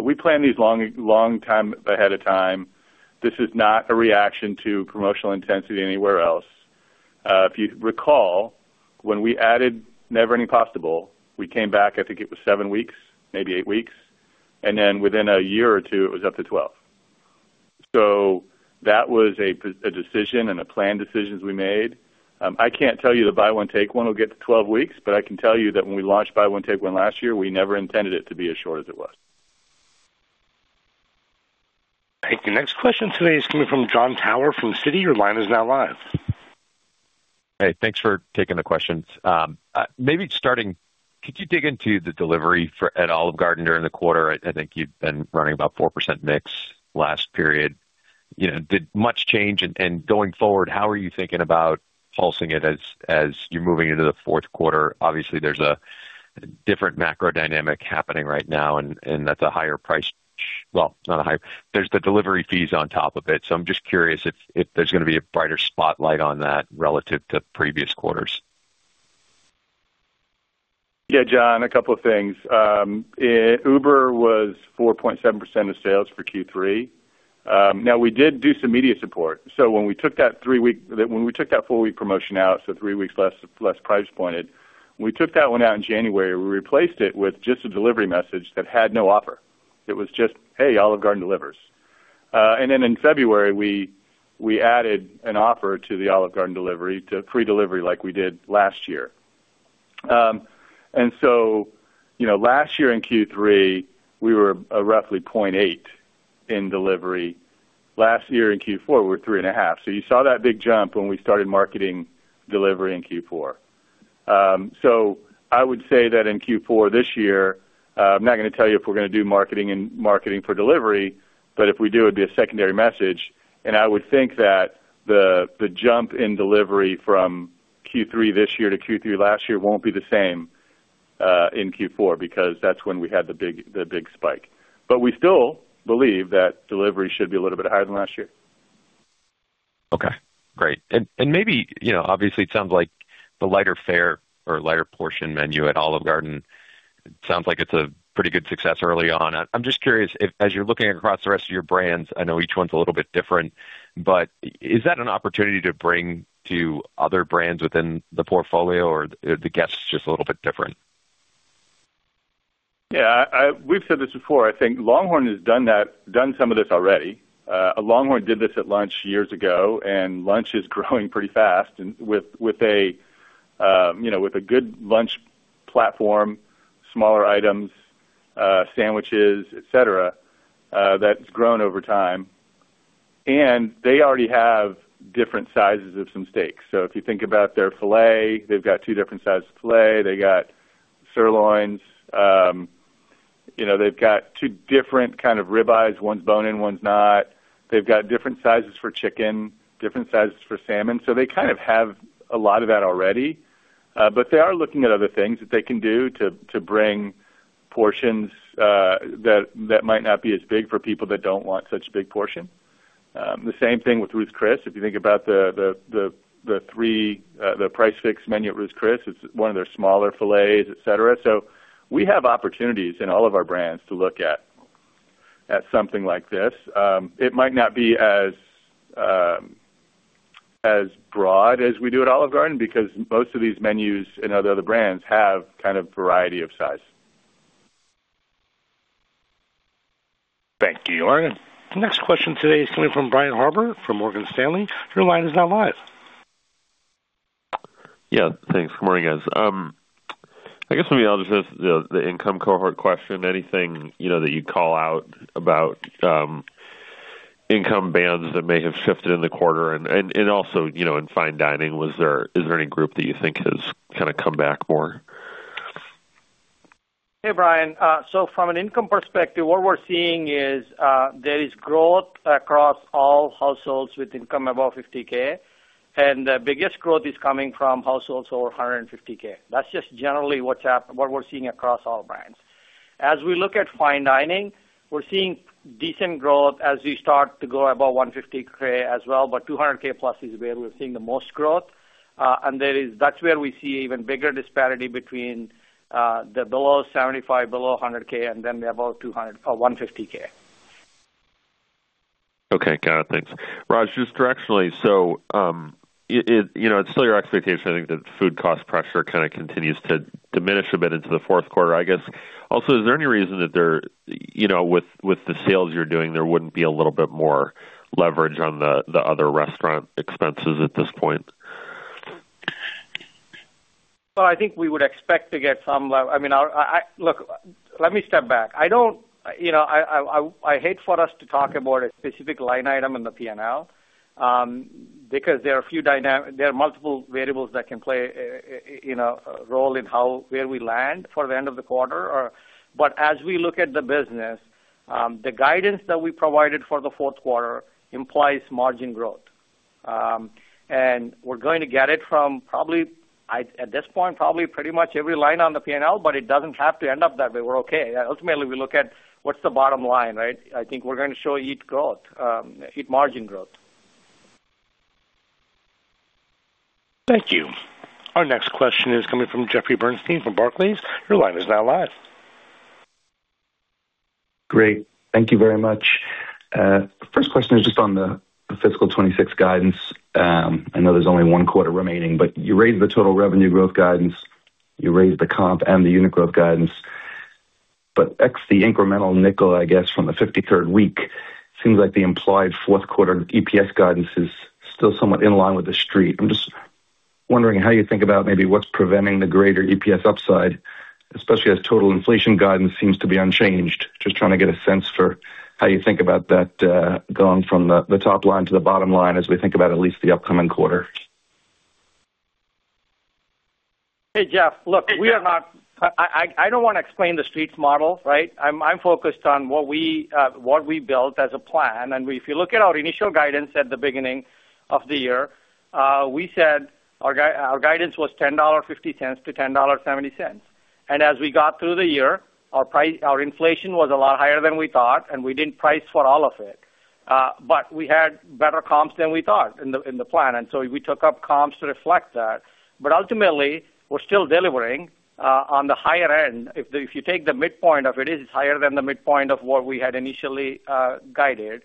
We plan these long time ahead of time. This is not a reaction to promotional intensity anywhere else. If you recall, when we added Never Ending Pasta Bowl, we came back, I think it was seven weeks, maybe eight weeks and then within a year or two it was up to 12. That was a decision and a planned decision we made. I can't tell you the Buy One, Take One will get to 12 weeks but I can tell you that when we launched Buy One, Take One last year, we never intended it to be as short as it was. Thank you. Next question today is coming from Jon Tower from Citi. Your line is now live. Hey, thanks for taking the questions. Maybe starting, could you dig into the delivery at Olive Garden during the quarter? I think you've been running about 4% mix last period. You know, did much change. Going forward, how are you thinking about pulsing it as you're moving into the fourth quarter? Obviously, there's a different macro dynamic happening right now and that's a higher price. Well, not a high. There's the delivery fees on top of it. So I'm just curious if there's gonna be a brighter spotlight on that relative to previous quarters. Yeah, Jon, a couple of things. Uber was 4.7% of sales for Q3. Now we did do some media support. When we took that four-week promotion out, so three weeks less price pointed, we took that one out in January. We replaced it with just a delivery message that had no offer. It was just, "Hey, Olive Garden delivers." In February, we added an offer to the Olive Garden delivery to free delivery like we did last year. You know, last year in Q3, we were roughly 0.8% in delivery. Last year in Q4, we were 3.5%. You saw that big jump when we started marketing delivery in Q4. I would say that in Q4 this year, I'm not gonna tell you if we're gonna do marketing and marketing for delivery but if we do, it'd be a secondary message. I would think that the jump in delivery from Q3 this year to Q3 last year won't be the same in Q4 because that's when we had the big spike. We still believe that delivery should be a little bit higher than last year. Okay, great. Maybe, you know, obviously, it sounds like the lighter fare or lighter portion menu at Olive Garden sounds like it's a pretty good success early on. I'm just curious if as you're looking across the rest of your brands, I know each one's a little bit different but is that an opportunity to bring to other brands within the portfolio or the guest is just a little bit different? Yeah. We've said this before. I think LongHorn has done some of this already. LongHorn did this at lunch years ago and lunch is growing pretty fast and with a good lunch platform, smaller items, sandwiches, et cetera, that's grown over time. They already have different sizes of some steaks. If you think about their filet, they've got two different sizes of filet. They got sirloins. You know, they've got two different kind of ribeyes, one's bone-in, one's not. They've got different sizes for chicken, different sizes for salmon. They kind of have a lot of that already. They are looking at other things that they can do to bring portions that might not be as big for people that don't want such big portion. The same thing with Ruth's Chris. If you think about the three prix fixe menu at Ruth's Chris, it's one of their smaller filets, et cetera. We have opportunities in all of our brands to look at something like this. It might not be as broad as we do at Olive Garden because most of these menus in other brands have kind of variety of size. Thank you. The next question today is coming from Brian Harbour from Morgan Stanley. Your line is now live. Yeah, thanks. Good morning, guys. I guess let me ask just the income cohort question. Anything, you know, that you'd call out about income bands that may have shifted in the quarter and also, you know, in fine dining, is there any group that you think has kind of come back more? Hey, Brian. So from an income perspective, what we're seeing is, there is growth across all households with income above 50K and the biggest growth is coming from households over 150K. That's just generally what we're seeing across all brands. As we look at fine dining, we're seeing decent growth as we start to go above 150K as well but 200K plus is where we're seeing the most growth. That's where we see even bigger disparity between the below 75K, below 100K and then the above 200 or 150K. Okay. Got it. Thanks. Raj, just directionally, it, you know, it's still your expectation, I think, that food cost pressure kind of continues to diminish a bit into the fourth quarter, I guess. Also, is there any reason that, you know, with the sales you're doing, there wouldn't be a little bit more leverage on the other restaurant expenses at this point? Well, I mean, look, let me step back. I don't, you know, I hate for us to talk about a specific line item in the P&L, because there are multiple variables that can play, you know, a role in how, where we land for the end of the quarter. As we look at the business, the guidance that we provided for the fourth quarter implies margin growth. We're going to get it from probably, at this point, probably pretty much every line on the P&L but it doesn't have to end up that way. We're okay. Ultimately, we look at what's the bottom line, right? I think we're gonna show EBIT growth, EBIT margin growth. Thank you. Our next question is coming from Jeffrey Bernstein from Barclays. Your line is now live. Great. Thank you very much. First question is just on the fiscal 2026 guidance. I know there's only one quarter remaining but you raised the total revenue growth guidance, you raised the comp and the unit growth guidance. Ex the incremental nickel, I guess, from the 53rd week, seems like the implied fourth quarter EPS guidance is still somewhat in line with the Street. I'm just wondering how you think about maybe what's preventing the greater EPS upside, especially as total inflation guidance seems to be unchanged. Just trying to get a sense for how you think about that, going from the top line to the bottom line as we think about at least the upcoming quarter. Hey, Jeff. Look, I don't wanna explain the Street's model, right? I'm focused on what we built as a plan. If you look at our initial guidance at the beginning of the year, we said our guidance was $10.50-$10.70. As we got through the year, our inflation was a lot higher than we thought and we didn't price for all of it. We had better comps than we thought in the plan and so we took up comps to reflect that. Ultimately, we're still delivering on the higher end. If you take the midpoint of it is higher than the midpoint of what we had initially guided.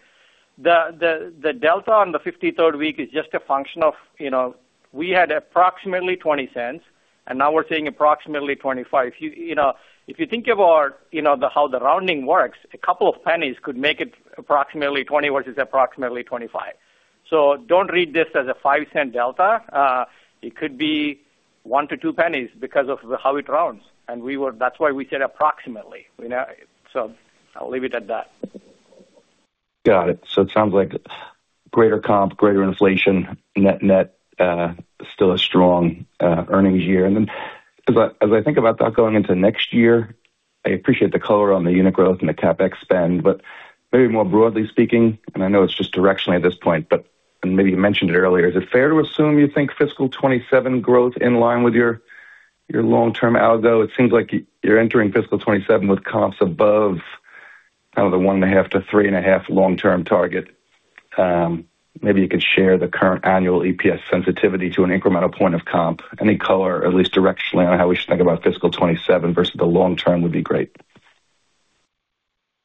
The delta on the 53rd week is just a function of, you know, we had approximately $0.20 and now we're saying approximately $0.25. You know, if you think about, you know, how the rounding works, a couple of pennies could make it approximately $0.20 versus approximately $0.25. Don't read this as a $0.05 delta. It could be 1-2 pennies because of how it rounds. That's why we said approximately. You know, so I'll leave it at that. Got it. So it sounds like greater comp, greater inflation, net-net, still a strong earnings year. Then as I think about that going into next year, I appreciate the color on the unit growth and the CapEx spend but maybe more broadly speaking and I know it's just directionally at this point but and maybe you mentioned it earlier, is it fair to assume you think fiscal 2027 growth in line with your long-term algo? It seems like you're entering fiscal 2027 with comps above kind of the 1.5%-3.5% long-term target. Maybe you could share the current annual EPS sensitivity to an incremental point of comp. Any color, at least directionally, on how we should think about fiscal 2027 versus the long term would be great.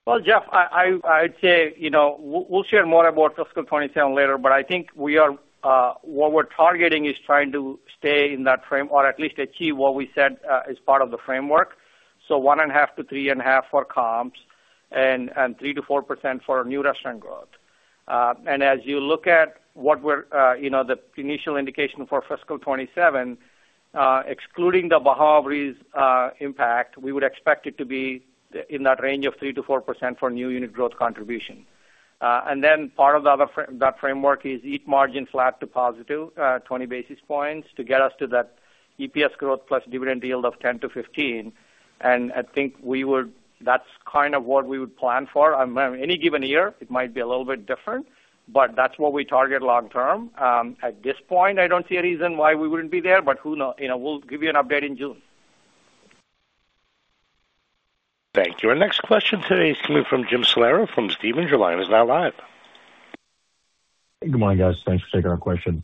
Well, Jeff, I'd say, you know, we'll share more about fiscal 2027 later but I think what we're targeting is trying to stay in that frame or at least achieve what we said as part of the framework. One and a half to three and a half for comps and three to four percent for new restaurant growth. And as you look at what we're the initial indication for fiscal 2027, excluding the Bahama Breeze impact, we would expect it to be in that range of three to four percent for new unit growth contribution. And then part of the other that framework is EBIT margin flat to positive 20 basis points to get us to that EPS growth plus dividend yield of 10 to 15. I think that's kind of what we would plan for. Any given year it might be a little bit different but that's what we target long term. At this point, I don't see a reason why we wouldn't be there but who knows? You know, we'll give you an update in June. Thank you. Our next question today is coming from Jim Salera from Stephens. Your line is now live. Good morning, guys. Thanks for taking our question.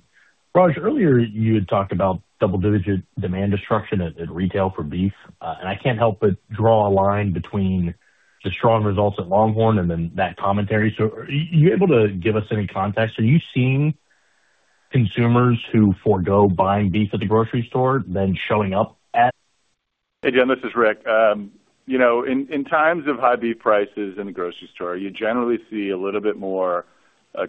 Raj, earlier you had talked about double-digit demand destruction at retail for beef. I can't help but draw a line between the strong results at LongHorn and then that commentary. Are you able to give us any context? Are you seeing consumers who forgo buying beef at the grocery store then showing up at? Hey, Jim, this is Rick. You know, in times of high beef prices in the grocery store, you generally see a little bit more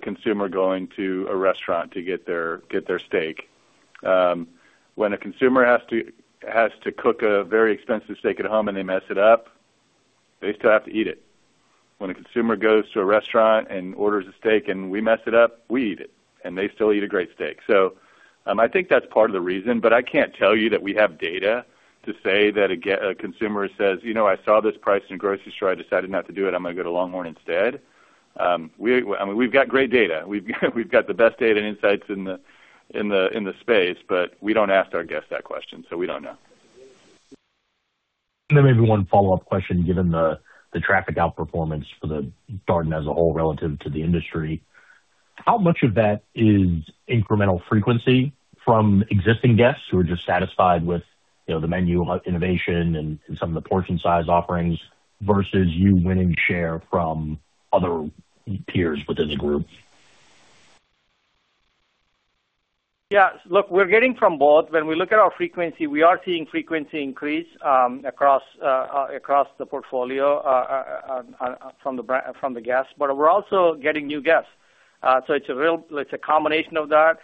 consumer going to a restaurant to get their steak. When a consumer has to cook a very expensive steak at home and they mess it up. They still have to eat it. When a consumer goes to a restaurant and orders a steak and we mess it up, we eat it and they still eat a great steak. I think that's part of the reason but I can't tell you that we have data to say that a consumer says, "You know, I saw this price in grocery store. I decided not to do it. I'm gonna go to LongHorn instead." I mean, we've got great data. We've got the best data and insights in the space but we don't ask our guests that question, so we don't know. Maybe one follow-up question, given the traffic outperformance for the Darden as a whole relative to the industry. How much of that is incremental frequency from existing guests who are just satisfied with, you know, the menu innovation and some of the portion size offerings versus you winning share from other peers within the group? Yeah. Look, we're getting from both. When we look at our frequency, we are seeing frequency increase across the portfolio from the guests but we're also getting new guests. It's a combination of that.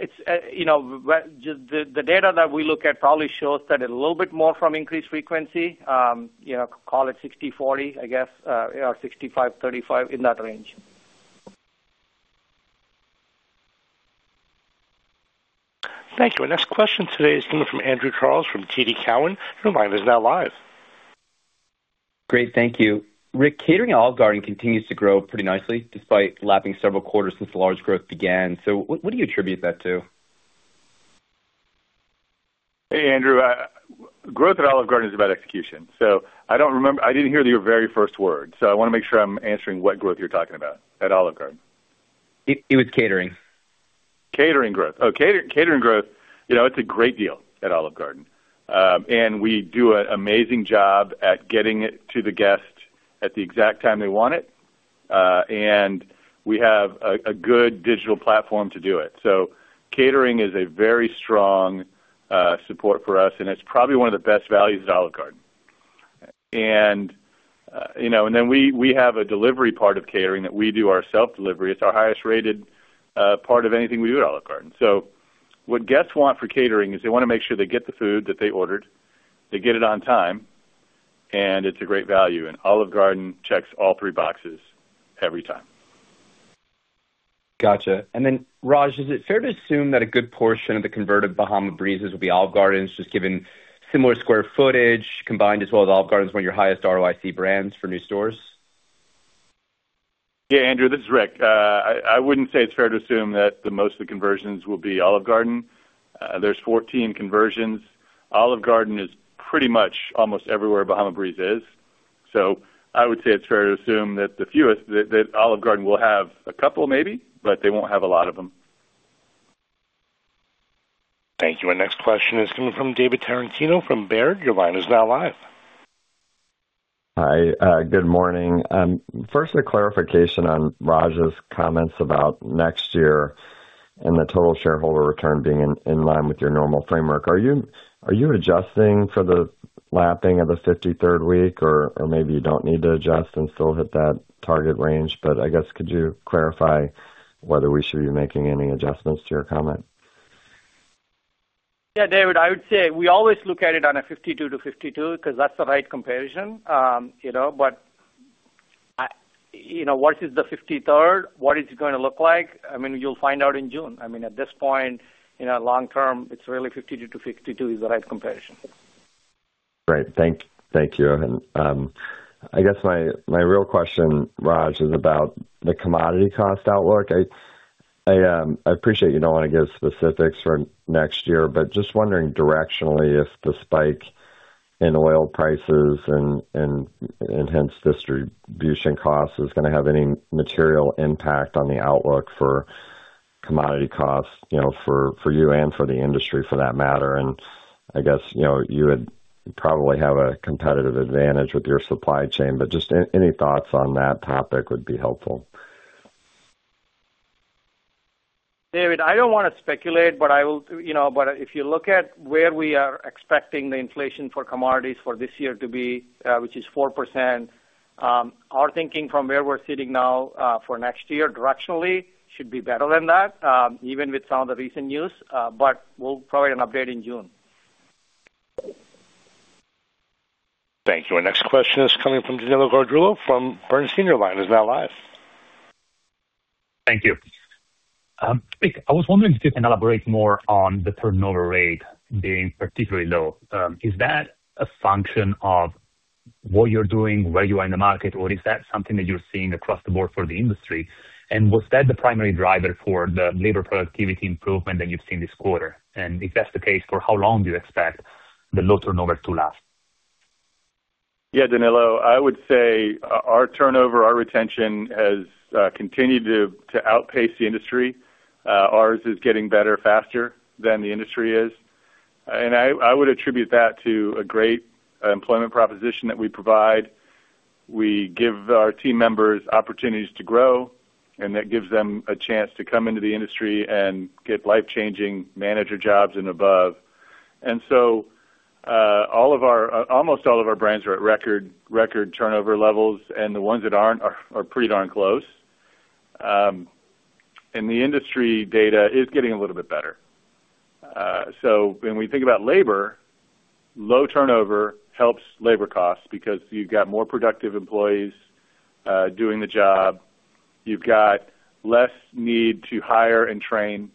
It's you know, just the data that we look at probably shows that a little bit more from increased frequency, you know, call it 60/40, I guess or 65/35, in that range. Thank you. Our next question today is coming from Andrew Charles from TD Cowen. Your line is now live. Great. Thank you. Rick, catering at Olive Garden continues to grow pretty nicely despite lapping several quarters since the large growth began. What do you attribute that to? Hey, Andrew. Growth at Olive Garden is about execution. I didn't hear your very first word, so I wanna make sure I'm answering what growth you're talking about at Olive Garden. It was catering. Catering growth, you know, it's a great deal at Olive Garden. We do an amazing job at getting it to the guest at the exact time they want it. We have a good digital platform to do it. Catering is a very strong support for us and it's probably one of the best values at Olive Garden. We have a delivery part of catering that we do ourselves. It's our highest-rated part of anything we do at Olive Garden. What guests want for catering is they wanna make sure they get the food that they ordered, they get it on time and it's a great value. Olive Garden checks all three boxes every time. Gotcha. Raj, is it fair to assume that a good portion of the converted Bahama Breeze's will be Olive Gardens, just given similar square footage combined as well as Olive Garden is one of your highest ROIC brands for new stores? Yeah, Andrew, this is Rick. I wouldn't say it's fair to assume that the most of the conversions will be Olive Garden. There's 14 conversions. Olive Garden is pretty much almost everywhere Bahama Breeze is. I would say it's fair to assume that the fewest that Olive Garden will have a couple maybe but they won't have a lot of them. Thank you. Our next question is coming from David Tarantino from Baird. Your line is now live. Hi, good morning. First a clarification on Raj's comments about next year and the total shareholder return being in line with your normal framework. Are you adjusting for the lapping of the 53rd week or maybe you don't need to adjust and still hit that target range? I guess, could you clarify whether we should be making any adjustments to your comment? Yeah, David, I would say we always look at it on a 52 to 52 'cause that's the right comparison. You know, you know, what is the 53rd? What is it gonna look like? I mean, you'll find out in June. I mean, at this point, you know, long term, it's really 52 to 52 is the right comparison. Great. Thank you. I guess my real question, Raj, is about the commodity cost outlook. I appreciate you don't wanna give specifics for next year but just wondering directionally if the spike in oil prices and hence distribution costs is gonna have any material impact on the outlook for commodity costs, you know, for you and for the industry for that matter. I guess, you know, you would probably have a competitive advantage with your supply chain but just any thoughts on that topic would be helpful. David, I don't wanna speculate but I will. You know, if you look at where we are expecting the inflation for commodities for this year to be, which is 4%, our thinking from where we're sitting now, for next year directionally should be better than that, even with some of the recent news but we'll provide an update in June. Thank you. Our next question is coming from Danilo Gargiulo from Bernstein. Your line is now live. Thank you. Rick, I was wondering if you can elaborate more on the turnover rate being particularly low. Is that a function of what you're doing, where you are in the market or is that something that you're seeing across the board for the industry? Was that the primary driver for the labor productivity improvement that you've seen this quarter? If that's the case, for how long do you expect the low turnover to last? Yeah, Danilo, I would say our turnover, our retention has continued to outpace the industry. Ours is getting better faster than the industry is. I would attribute that to a great employment proposition that we provide. We give our team members opportunities to grow and that gives them a chance to come into the industry and get life-changing manager jobs and above. Almost all of our brands are at record turnover levels and the ones that aren't are pretty darn close. The industry data is getting a little bit better. So when we think about labor, low turnover helps labor costs because you've got more productive employees doing the job. You've got less need to hire and train.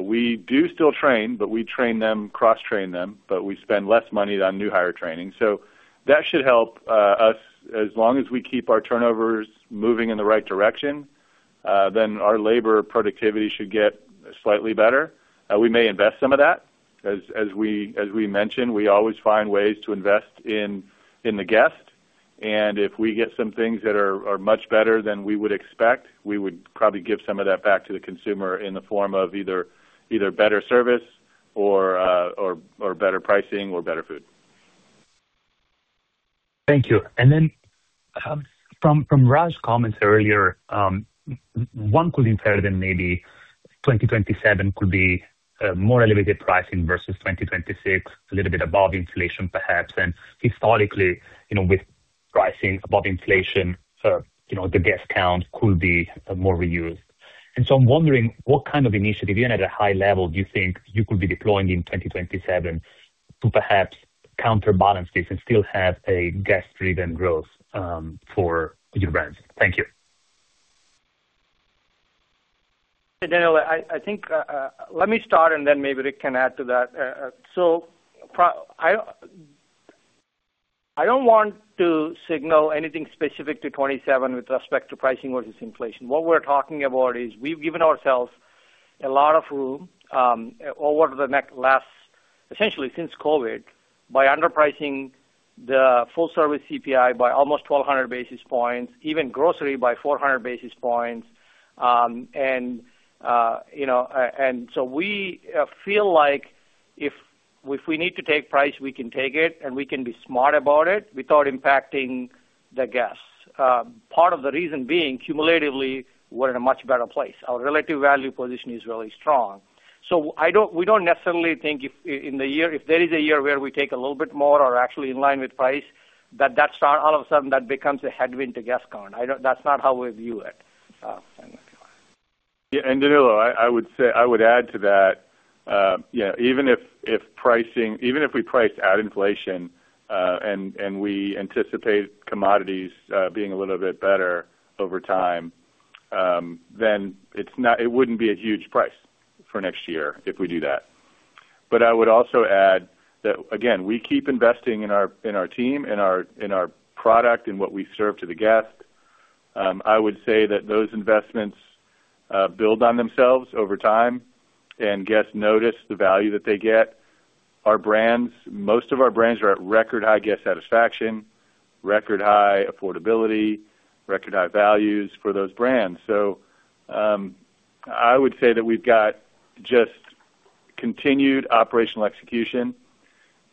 We do still train but we train them, cross-train them but we spend less money on new hire training. That should help us. As long as we keep our turnovers moving in the right direction, then our labor productivity should get slightly better. We may invest some of that. As we mentioned, we always find ways to invest in the guest. If we get some things that are much better than we would expect, we would probably give some of that back to the consumer in the form of either better service or better pricing or better food. Thank you. Then, from Raj's comments earlier, one could infer that maybe 2027 could be more elevated pricing versus 2026, a little bit above inflation perhaps. Historically, you know, with pricing above inflation, you know, the guest count could be more reduced. I'm wondering what kind of initiative, even at a high level, do you think you could be deploying in 2027 to perhaps counterbalance this and still have a guest-driven growth for your brands? Thank you. Danilo, I think, let me start and then maybe Rick can add to that. I don't want to signal anything specific to 2027 with respect to pricing versus inflation. What we're talking about is we've given ourselves a lot of room over the last essentially since COVID, by underpricing the full service CPI by almost 1,200 basis points, even grocery by 400 basis points. You know, we feel like if we need to take price, we can take it and we can be smart about it without impacting the guests. Part of the reason being, cumulatively, we're in a much better place. Our relative value position is really strong. We don't necessarily think if there is a year where we take a little bit more or actually in line with price, that's not all of a sudden that becomes a headwind to guest count. That's not how we view it. Yeah, Danilo, I would say I would add to that. Yeah, even if we price at inflation and we anticipate commodities being a little bit better over time, then it wouldn't be a huge price for next year if we do that. I would also add that, again, we keep investing in our team, in our product, in what we serve to the guest. I would say that those investments build on themselves over time and guests notice the value that they get. Our brands, most of our brands are at record high guest satisfaction, record high affordability, record high values for those brands. I would say that we've got just continued operational execution.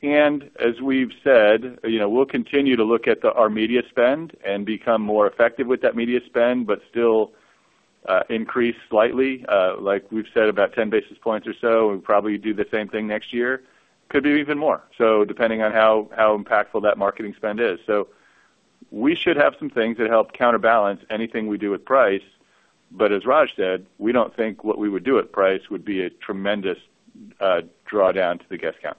As we've said, you know, we'll continue to look at our media spend and become more effective with that media spend but still, increase slightly, like we've said, about 10 basis points or so and probably do the same thing next year. Could be even more. Depending on how impactful that marketing spend is. We should have some things that help counterbalance anything we do with price. As Raj said, we don't think what we would do with price would be a tremendous drawdown to the guest count.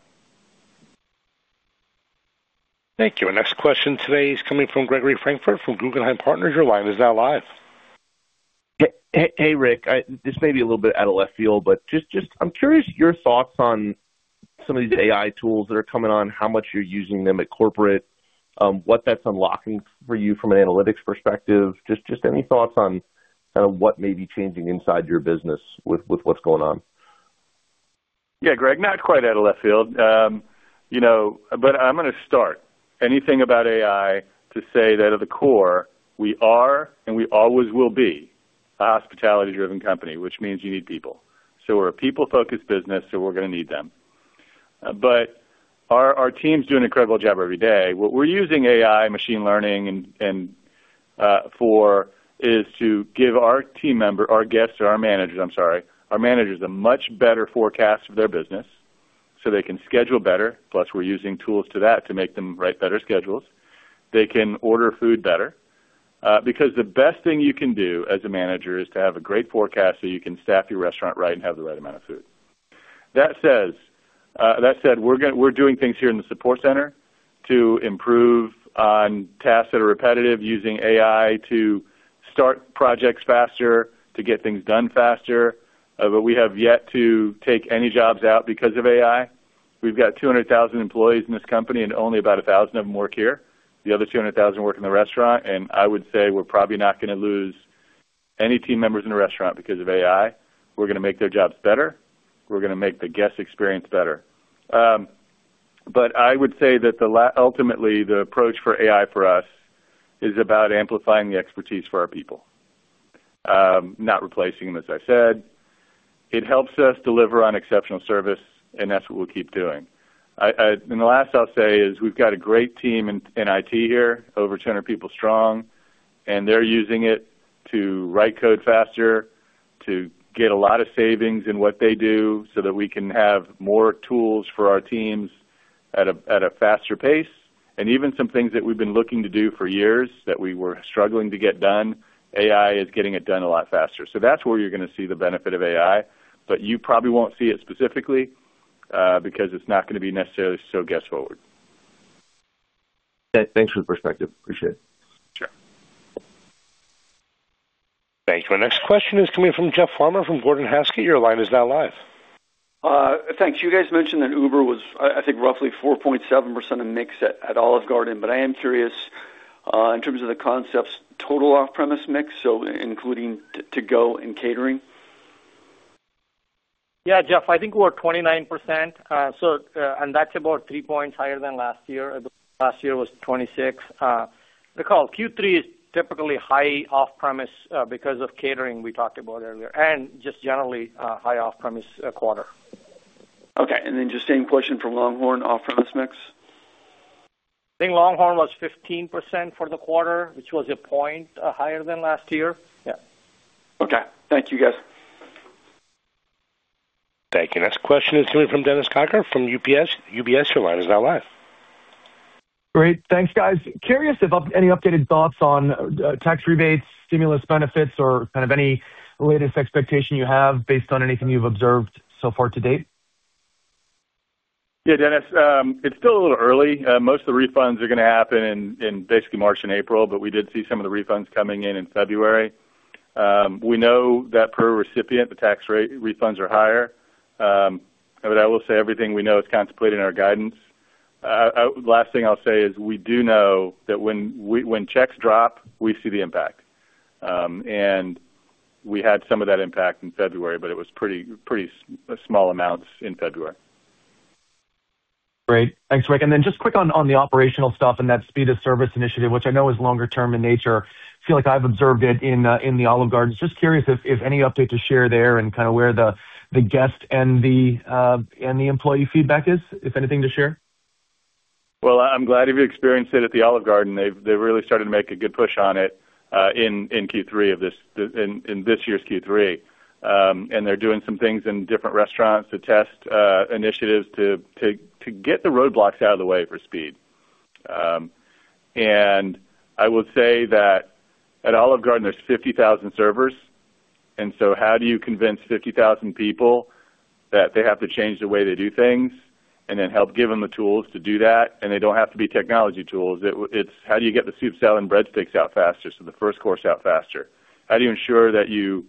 Thank you. Next question today is coming from Gregory Francfort from Guggenheim Partners. Your line is now live. Hey, Rick, this may be a little bit out of left field but just, I'm curious your thoughts on some of these AI tools that are coming on, how much you're using them at corporate, what that's unlocking for you from an analytics perspective. Just any thoughts on kind of what may be changing inside your business with what's going on. Yeah, Greg, not quite out of left field. You know but I'm gonna say something about AI to say that at the core, we are and we always will be a hospitality-driven company, which means you need people. We're a people-focused business, so we're gonna need them. Our team's doing an incredible job every day. What we're using AI and machine learning for is to give our team member, our guests or our managers, I'm sorry, our managers, a much better forecast for their business so they can schedule better, plus we're using tools to make them write better schedules. They can order food better. Because the best thing you can do as a manager is to have a great forecast, so you can staff your restaurant right and have the right amount of food. That said, we're doing things here in the support center to improve on tasks that are repetitive using AI to start projects faster, to get things done faster. We have yet to take any jobs out because of AI. We've got 200,000 employees in this company and only about 1,000 of them work here. The other 200,000 work in the restaurant and I would say we're probably not gonna lose any team members in the restaurant because of AI. We're gonna make their jobs better. We're gonna make the guest experience better. I would say that ultimately, the approach for AI for us is about amplifying the expertise for our people, not replacing them, as I said. It helps us deliver on exceptional service and that's what we'll keep doing. The last I'll say is we've got a great team in IT here, over 200 people strong and they're using it to write code faster, to get a lot of savings in what they do so that we can have more tools for our teams at a faster pace and even some things that we've been looking to do for years that we were struggling to get done, AI is getting it done a lot faster. That's where you're gonna see the benefit of AI but you probably won't see it specifically, because it's not gonna be necessarily so guest forward. Thanks for the perspective. Appreciate it. Sure. Thank you. Our next question is coming from Jeff Farmer from Gordon Haskett. Your line is now live. Thanks. You guys mentioned that Uber was, I think, roughly 4.7% of mix at Olive Garden. I am curious in terms of the concept's total off-premise mix, so including to-go and catering. Yeah, Jeff, I think we're at 29%. That's about three points higher than last year. Last year was 26%. Recall, Q3 is typically high off-premise because of catering we talked about earlier and just generally a high off-premise quarter. Okay. Just same question for LongHorn off-premise mix? I think LongHorn was 15% for the quarter, which was a point higher than last year. Yeah. Okay. Thank you, guys. Thank you. Next question is coming from Dennis Geiger from UBS. Your line is now live. Great. Thanks, guys. Curious about any updated thoughts on, tax rebates, stimulus benefits or kind of any latest expectation you have based on anything you've observed so far to date? Yeah, Dennis, it's still a little early. Most of the refunds are gonna happen in basically March and April but we did see some of the refunds coming in February. We know that per recipient, the tax rate refunds are higher. But I will say everything we know is contemplated in our guidance. Last thing I'll say is we do know that when checks drop, we see the impact. We had some of that impact in February but it was pretty small amounts in February. Great. Thanks, Rick. Just quick on the operational stuff and that speed of service initiative, which I know is longer term in nature. I feel like I've observed it in the Olive Garden. Just curious if any update to share there and kind of where the guest and the employee feedback is, if anything to share. Well, I'm glad if you experienced it at the Olive Garden. They've really started to make a good push on it in this year's Q3. They're doing some things in different restaurants to test initiatives to get the roadblocks out of the way for speed. I will say that at Olive Garden, there's 50,000 servers, so how do you convince 50,000 people that they have to change the way they do things and then help give them the tools to do that? They don't have to be technology tools. It's how do you get the soup, salad and breadsticks out faster, so the first course out faster? How do you ensure that you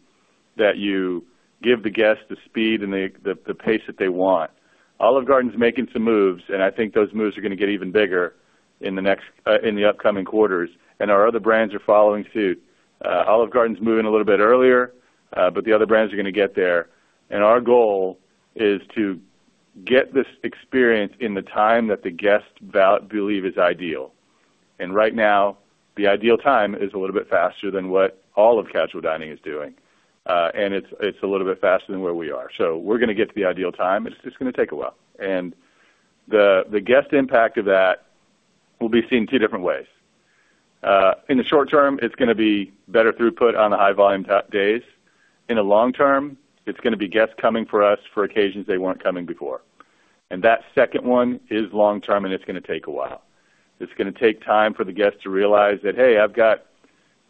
give the guests the speed and the pace that they want? Olive Garden is making some moves and I think those moves are gonna get even bigger in the upcoming quarters and our other brands are following suit. Olive Garden's moving a little bit earlier but the other brands are gonna get there. Our goal is to get this experience in the time that the guests believe is ideal. Right now, the ideal time is a little bit faster than what all of casual dining is doing. It's a little bit faster than where we are. We're gonna get to the ideal time. It's gonna take a while. The guest impact of that will be seen two different ways. In the short term, it's gonna be better throughput on the high-volume days. In the long term, it's gonna be guests coming for us for occasions they weren't coming before. That second one is long term and it's gonna take a while. It's gonna take time for the guests to realize that, "Hey, I've got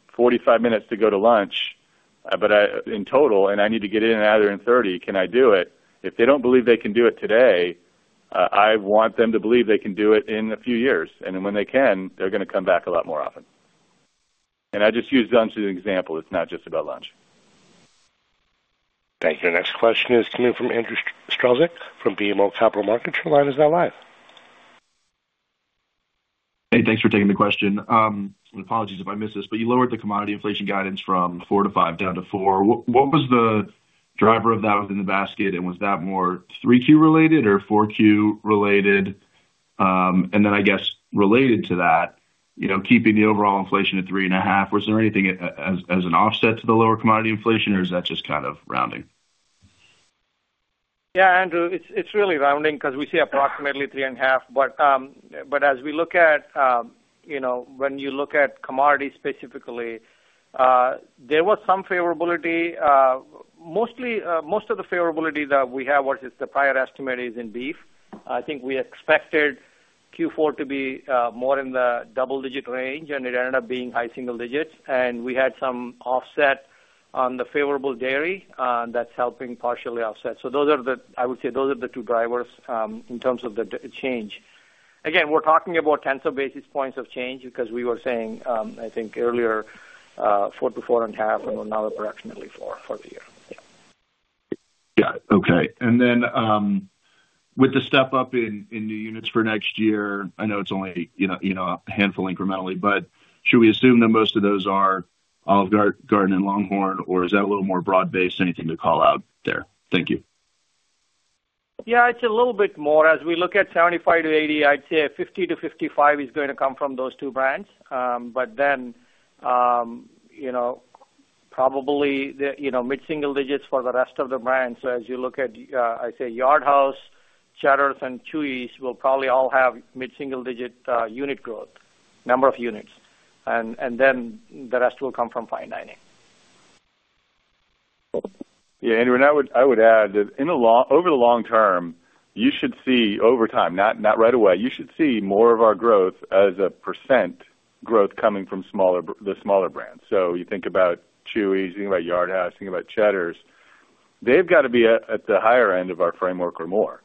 45 minutes to go to lunch but in total and I need to get in and out of there in 30. Can I do it?" If they don't believe they can do it today, I want them to believe they can do it in a few years. When they can, they're gonna come back a lot more often. I just used lunch as an example. It's not just about lunch. Thank you. Next question is coming from Andrew Strelzik from BMO Capital Markets. Your line is now live. Hey, thanks for taking the question. Apologies if I missed this but you lowered the commodity inflation guidance from 4-5% down to 4%. What was the driver of that within the basket? And was that more 3Q related or 4Q related? And then I guess related to that, you know, keeping the overall inflation at 3.5%, was there anything as an offset to the lower commodity inflation or is that just kind of rounding? Yeah, Andrew, it's really rounding because we see approximately 3.5%. As we look at, you know, when you look at commodities specifically, there was some favorability. Most of the favorability that we have, which is the prior estimate, is in beef. I think we expected Q4 to be more in the double-digit range and it ended up being high single digits. We had some offset on the favorable dairy, that's helping partially offset. I would say those are the two drivers in terms of the change. We're talking about tens of basis points of change because we were saying, I think earlier, 4%-4.5% and now we're approximately 4% for the year. Yeah. Got it. Okay. Then, with the step up in new units for next year, I know it's only, you know, a handful incrementally but should we assume that most of those are Olive Garden and LongHorn or is that a little more broad-based? Anything to call out there? Thank you. Yeah, it's a little bit more. As we look at 75-80, I'd say 50-55 is going to come from those two brands. But then, you know, probably the mid-single digits for the rest of the brands. As you look at, I'd say Yard House, Cheddar's and Chuy's will probably all have mid-single digit unit growth, number of units. And then the rest will come from fine dining. Yeah, Andrew, I would add that over the long-term, you should see over time, not right away, you should see more of our growth as a percent growth coming from the smaller brands. You think about Chuy's, you think about Yard House, think about Cheddar's. They've got to be at the higher end of our framework or more,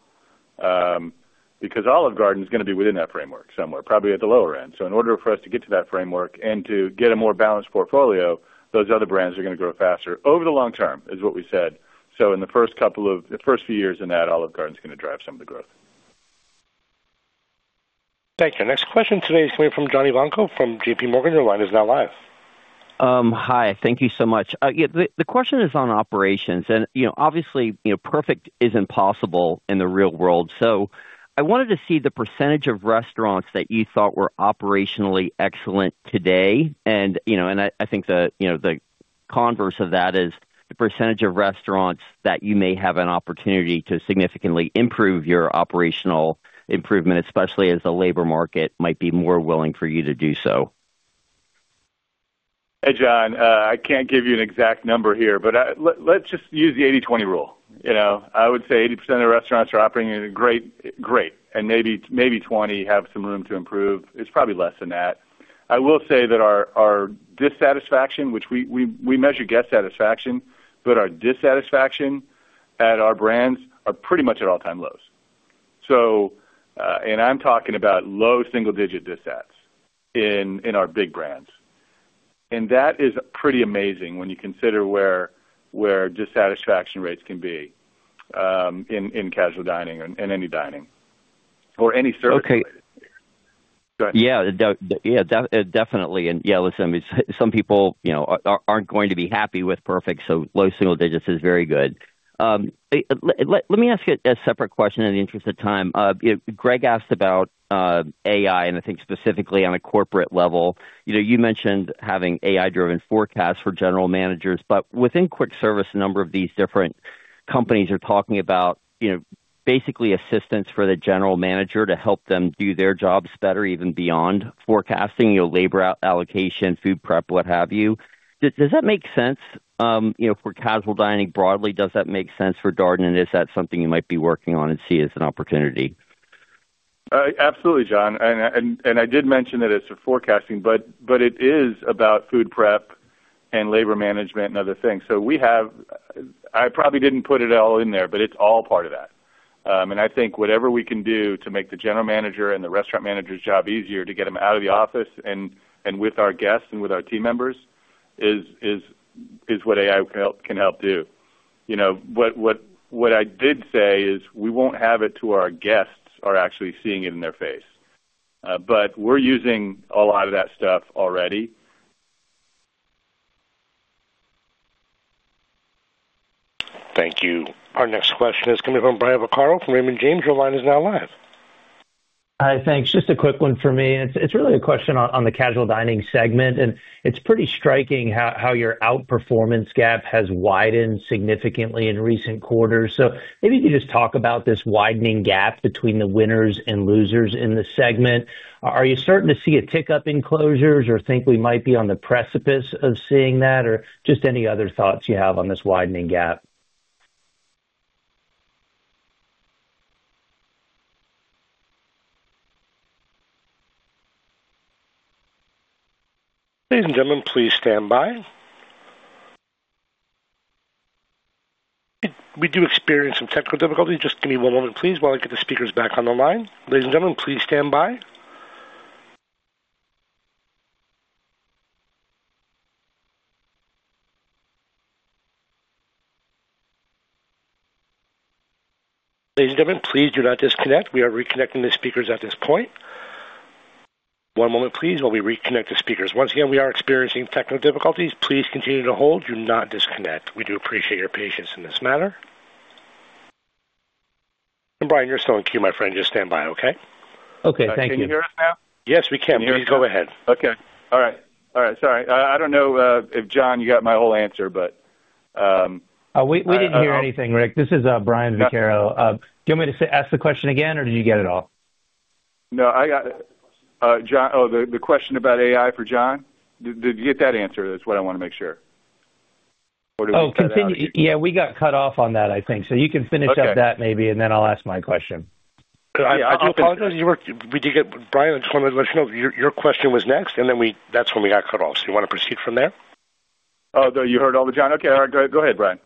because Olive Garden is gonna be within that framework somewhere, probably at the lower end. In order for us to get to that framework and to get a more balanced portfolio, those other brands are gonna grow faster over the long term, is what we said. In the first few years in that, Olive Garden is gonna drive some of the growth. Thank you. Next question today is coming from John Ivankoe from JPMorgan. Your line is now live. Hi, thank you so much. Yeah, the question is on operations. You know, obviously, you know, perfect isn't possible in the real world. I wanted to see the percentage of restaurants that you thought were operationally excellent today. You know, I think the converse of that is the percentage of restaurants that you may have an opportunity to significantly improve your operational improvement, especially as the labor market might be more willing for you to do so. Hey, John, I can't give you an exact number here but let's just use the 80/20 rule. You know, I would say 80% of the restaurants are operating at a great and maybe 20 have some room to improve. It's probably less than that. I will say that our dissatisfaction, which we measure guest satisfaction but our dissatisfaction at our brands are pretty much at all-time lows. So and I'm talking about low single-digit dissats in our big brands. That is pretty amazing when you consider where dissatisfaction rates can be in casual dining or in any dining or any service. Okay. Go ahead. Yeah, definitely. Yeah, listen, some people, you know, aren't going to be happy with perfect, so low single digits is very good. Let me ask you a separate question in the interest of time. Greg asked about AI and I think specifically on a corporate level. You know, you mentioned having AI-driven forecasts for general managers but within quick service, a number of these different companies are talking about, you know, basically assistance for the general manager to help them do their jobs better, even beyond forecasting, you know, labor allocation, food prep, what have you. Does that make sense, you know, for casual dining broadly, does that make sense for Darden? Is that something you might be working on and see as an opportunity? Absolutely, John. I did mention that it's a forecasting but it is about food prep and labor management and other things. We have. I probably didn't put it all in there but it's all part of that. I think whatever we can do to make the general manager and the restaurant manager's job easier to get them out of the office and with our guests and with our team members is what AI can help do. You know, what I did say is we won't have it until our guests are actually seeing it in their face. We're using a lot of that stuff already. Thank you. Our next question is coming from Brian Vaccaro from Raymond James. Your line is now live. Hi. Thanks. Just a quick one for me. It's really a question on the casual dining segment and it's pretty striking how your outperformance gap has widened significantly in recent quarters. Maybe you could just talk about this widening gap between the winners and losers in the segment. Are you starting to see a tick up in closures or think we might be on the precipice of seeing that? Or just any other thoughts you have on this widening gap? Ladies and gentlemen, please stand by. We do experience some technical difficulties. Just give me one moment, please, while I get the speakers back on the line. Ladies and gentlemen, please stand by. Ladies and gentlemen, please do not disconnect. We are reconnecting the speakers at this point. One moment, please, while we reconnect the speakers. Once again, we are experiencing technical difficulties. Please continue to hold. Do not disconnect. We do appreciate your patience in this matter. Brian, you're still in queue, my friend. Just stand by, okay? Okay. Thank you. Can you hear us now? Yes, we can. Please go ahead. Okay. All right. Sorry. I don't know if John, you got my whole answer but. We didn't hear anything, Rick. This is Brian Vaccaro. Do you want me to ask the question again or did you get it all? No, I got it. John. Oh, the question about AI for John? Did you get that answer is what I wanna make sure. Or did we get cut off? Oh, continue. Yeah, we got cut off on that, I think. You can finish up that maybe and then I'll ask my question. I do apologize. Brian, I just wanted to let you know your question was next and then that's when we got cut off. You wanna proceed from there? Oh, you heard all that, John? Okay. All right. Go ahead, Brian.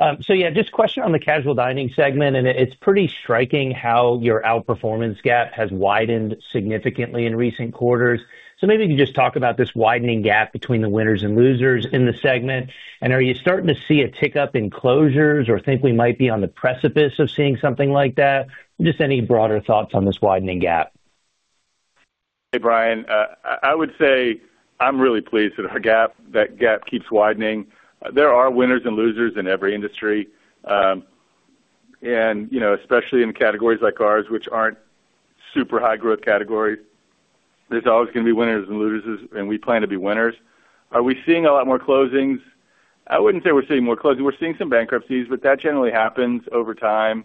Yeah, just a question on the casual dining segment and it's pretty striking how your outperformance gap has widened significantly in recent quarters. Maybe you can just talk about this widening gap between the winners and losers in the segment. Are you starting to see a tick up in closures or think we might be on the precipice of seeing something like that? Just any broader thoughts on this widening gap. Hey, Brian. I would say I'm really pleased that our gap, that gap keeps widening. There are winners and losers in every industry. You know, especially in categories like ours, which aren't super high growth categories, there's always gonna be winners and losers and we plan to be winners. Are we seeing a lot more closings? I wouldn't say we're seeing more closings. We're seeing some bankruptcies but that generally happens over time.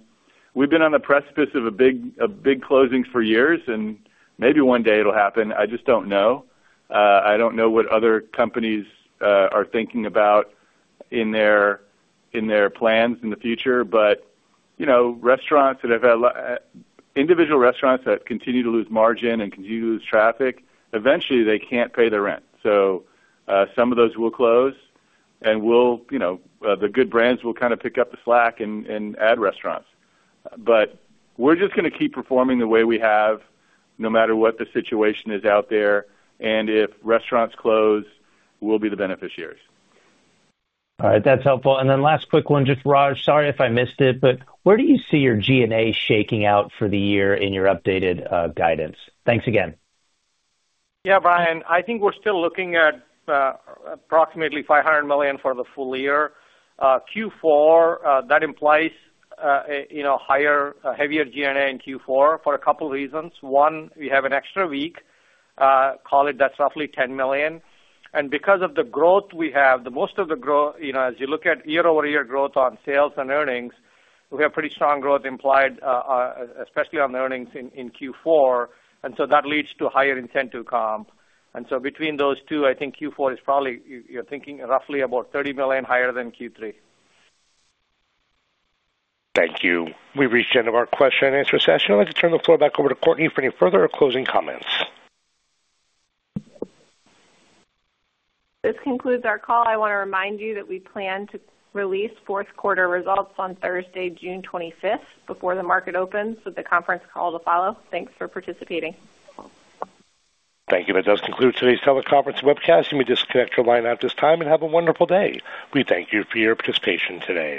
We've been on the precipice of a big closing for years and maybe one day it'll happen. I just don't know. I don't know what other companies are thinking about in their plans in the future. You know, individual restaurants that continue to lose margin and continue to lose traffic, eventually they can't pay their rent. Some of those will close and we'll, you know, the good brands will kind of pick up the slack and add restaurants. We're just gonna keep performing the way we have no matter what the situation is out there. If restaurants close, we'll be the beneficiaries. All right, that's helpful. Last quick one, just Raj, sorry if I missed it but where do you see your G&A shaking out for the year in your updated guidance? Thanks again. Yeah, Brian, I think we're still looking at approximately $500 million for the full year. Q4, that implies you know, higher, heavier G&A in Q4 for a couple reasons. One, we have an extra week, call it, that's roughly $10 million. Because of the growth we have, you know, as you look at year-over-year growth on sales and earnings, we have pretty strong growth implied, especially on the earnings in Q4 and so that leads to higher incentive comp. Between those two, I think Q4 is probably, you're thinking roughly about $30 million higher than Q3. Thank you. We've reached the end of our question and answer session. I'd like to turn the floor back over to Courtney for any further closing comments. This concludes our call. I wanna remind you that we plan to release fourth quarter results on Thursday, 25 June before the market opens, with the conference call to follow. Thanks for participating. Thank you. That does conclude today's teleconference webcast. You may disconnect your line at this time and have a wonderful day. We thank you for your participation today.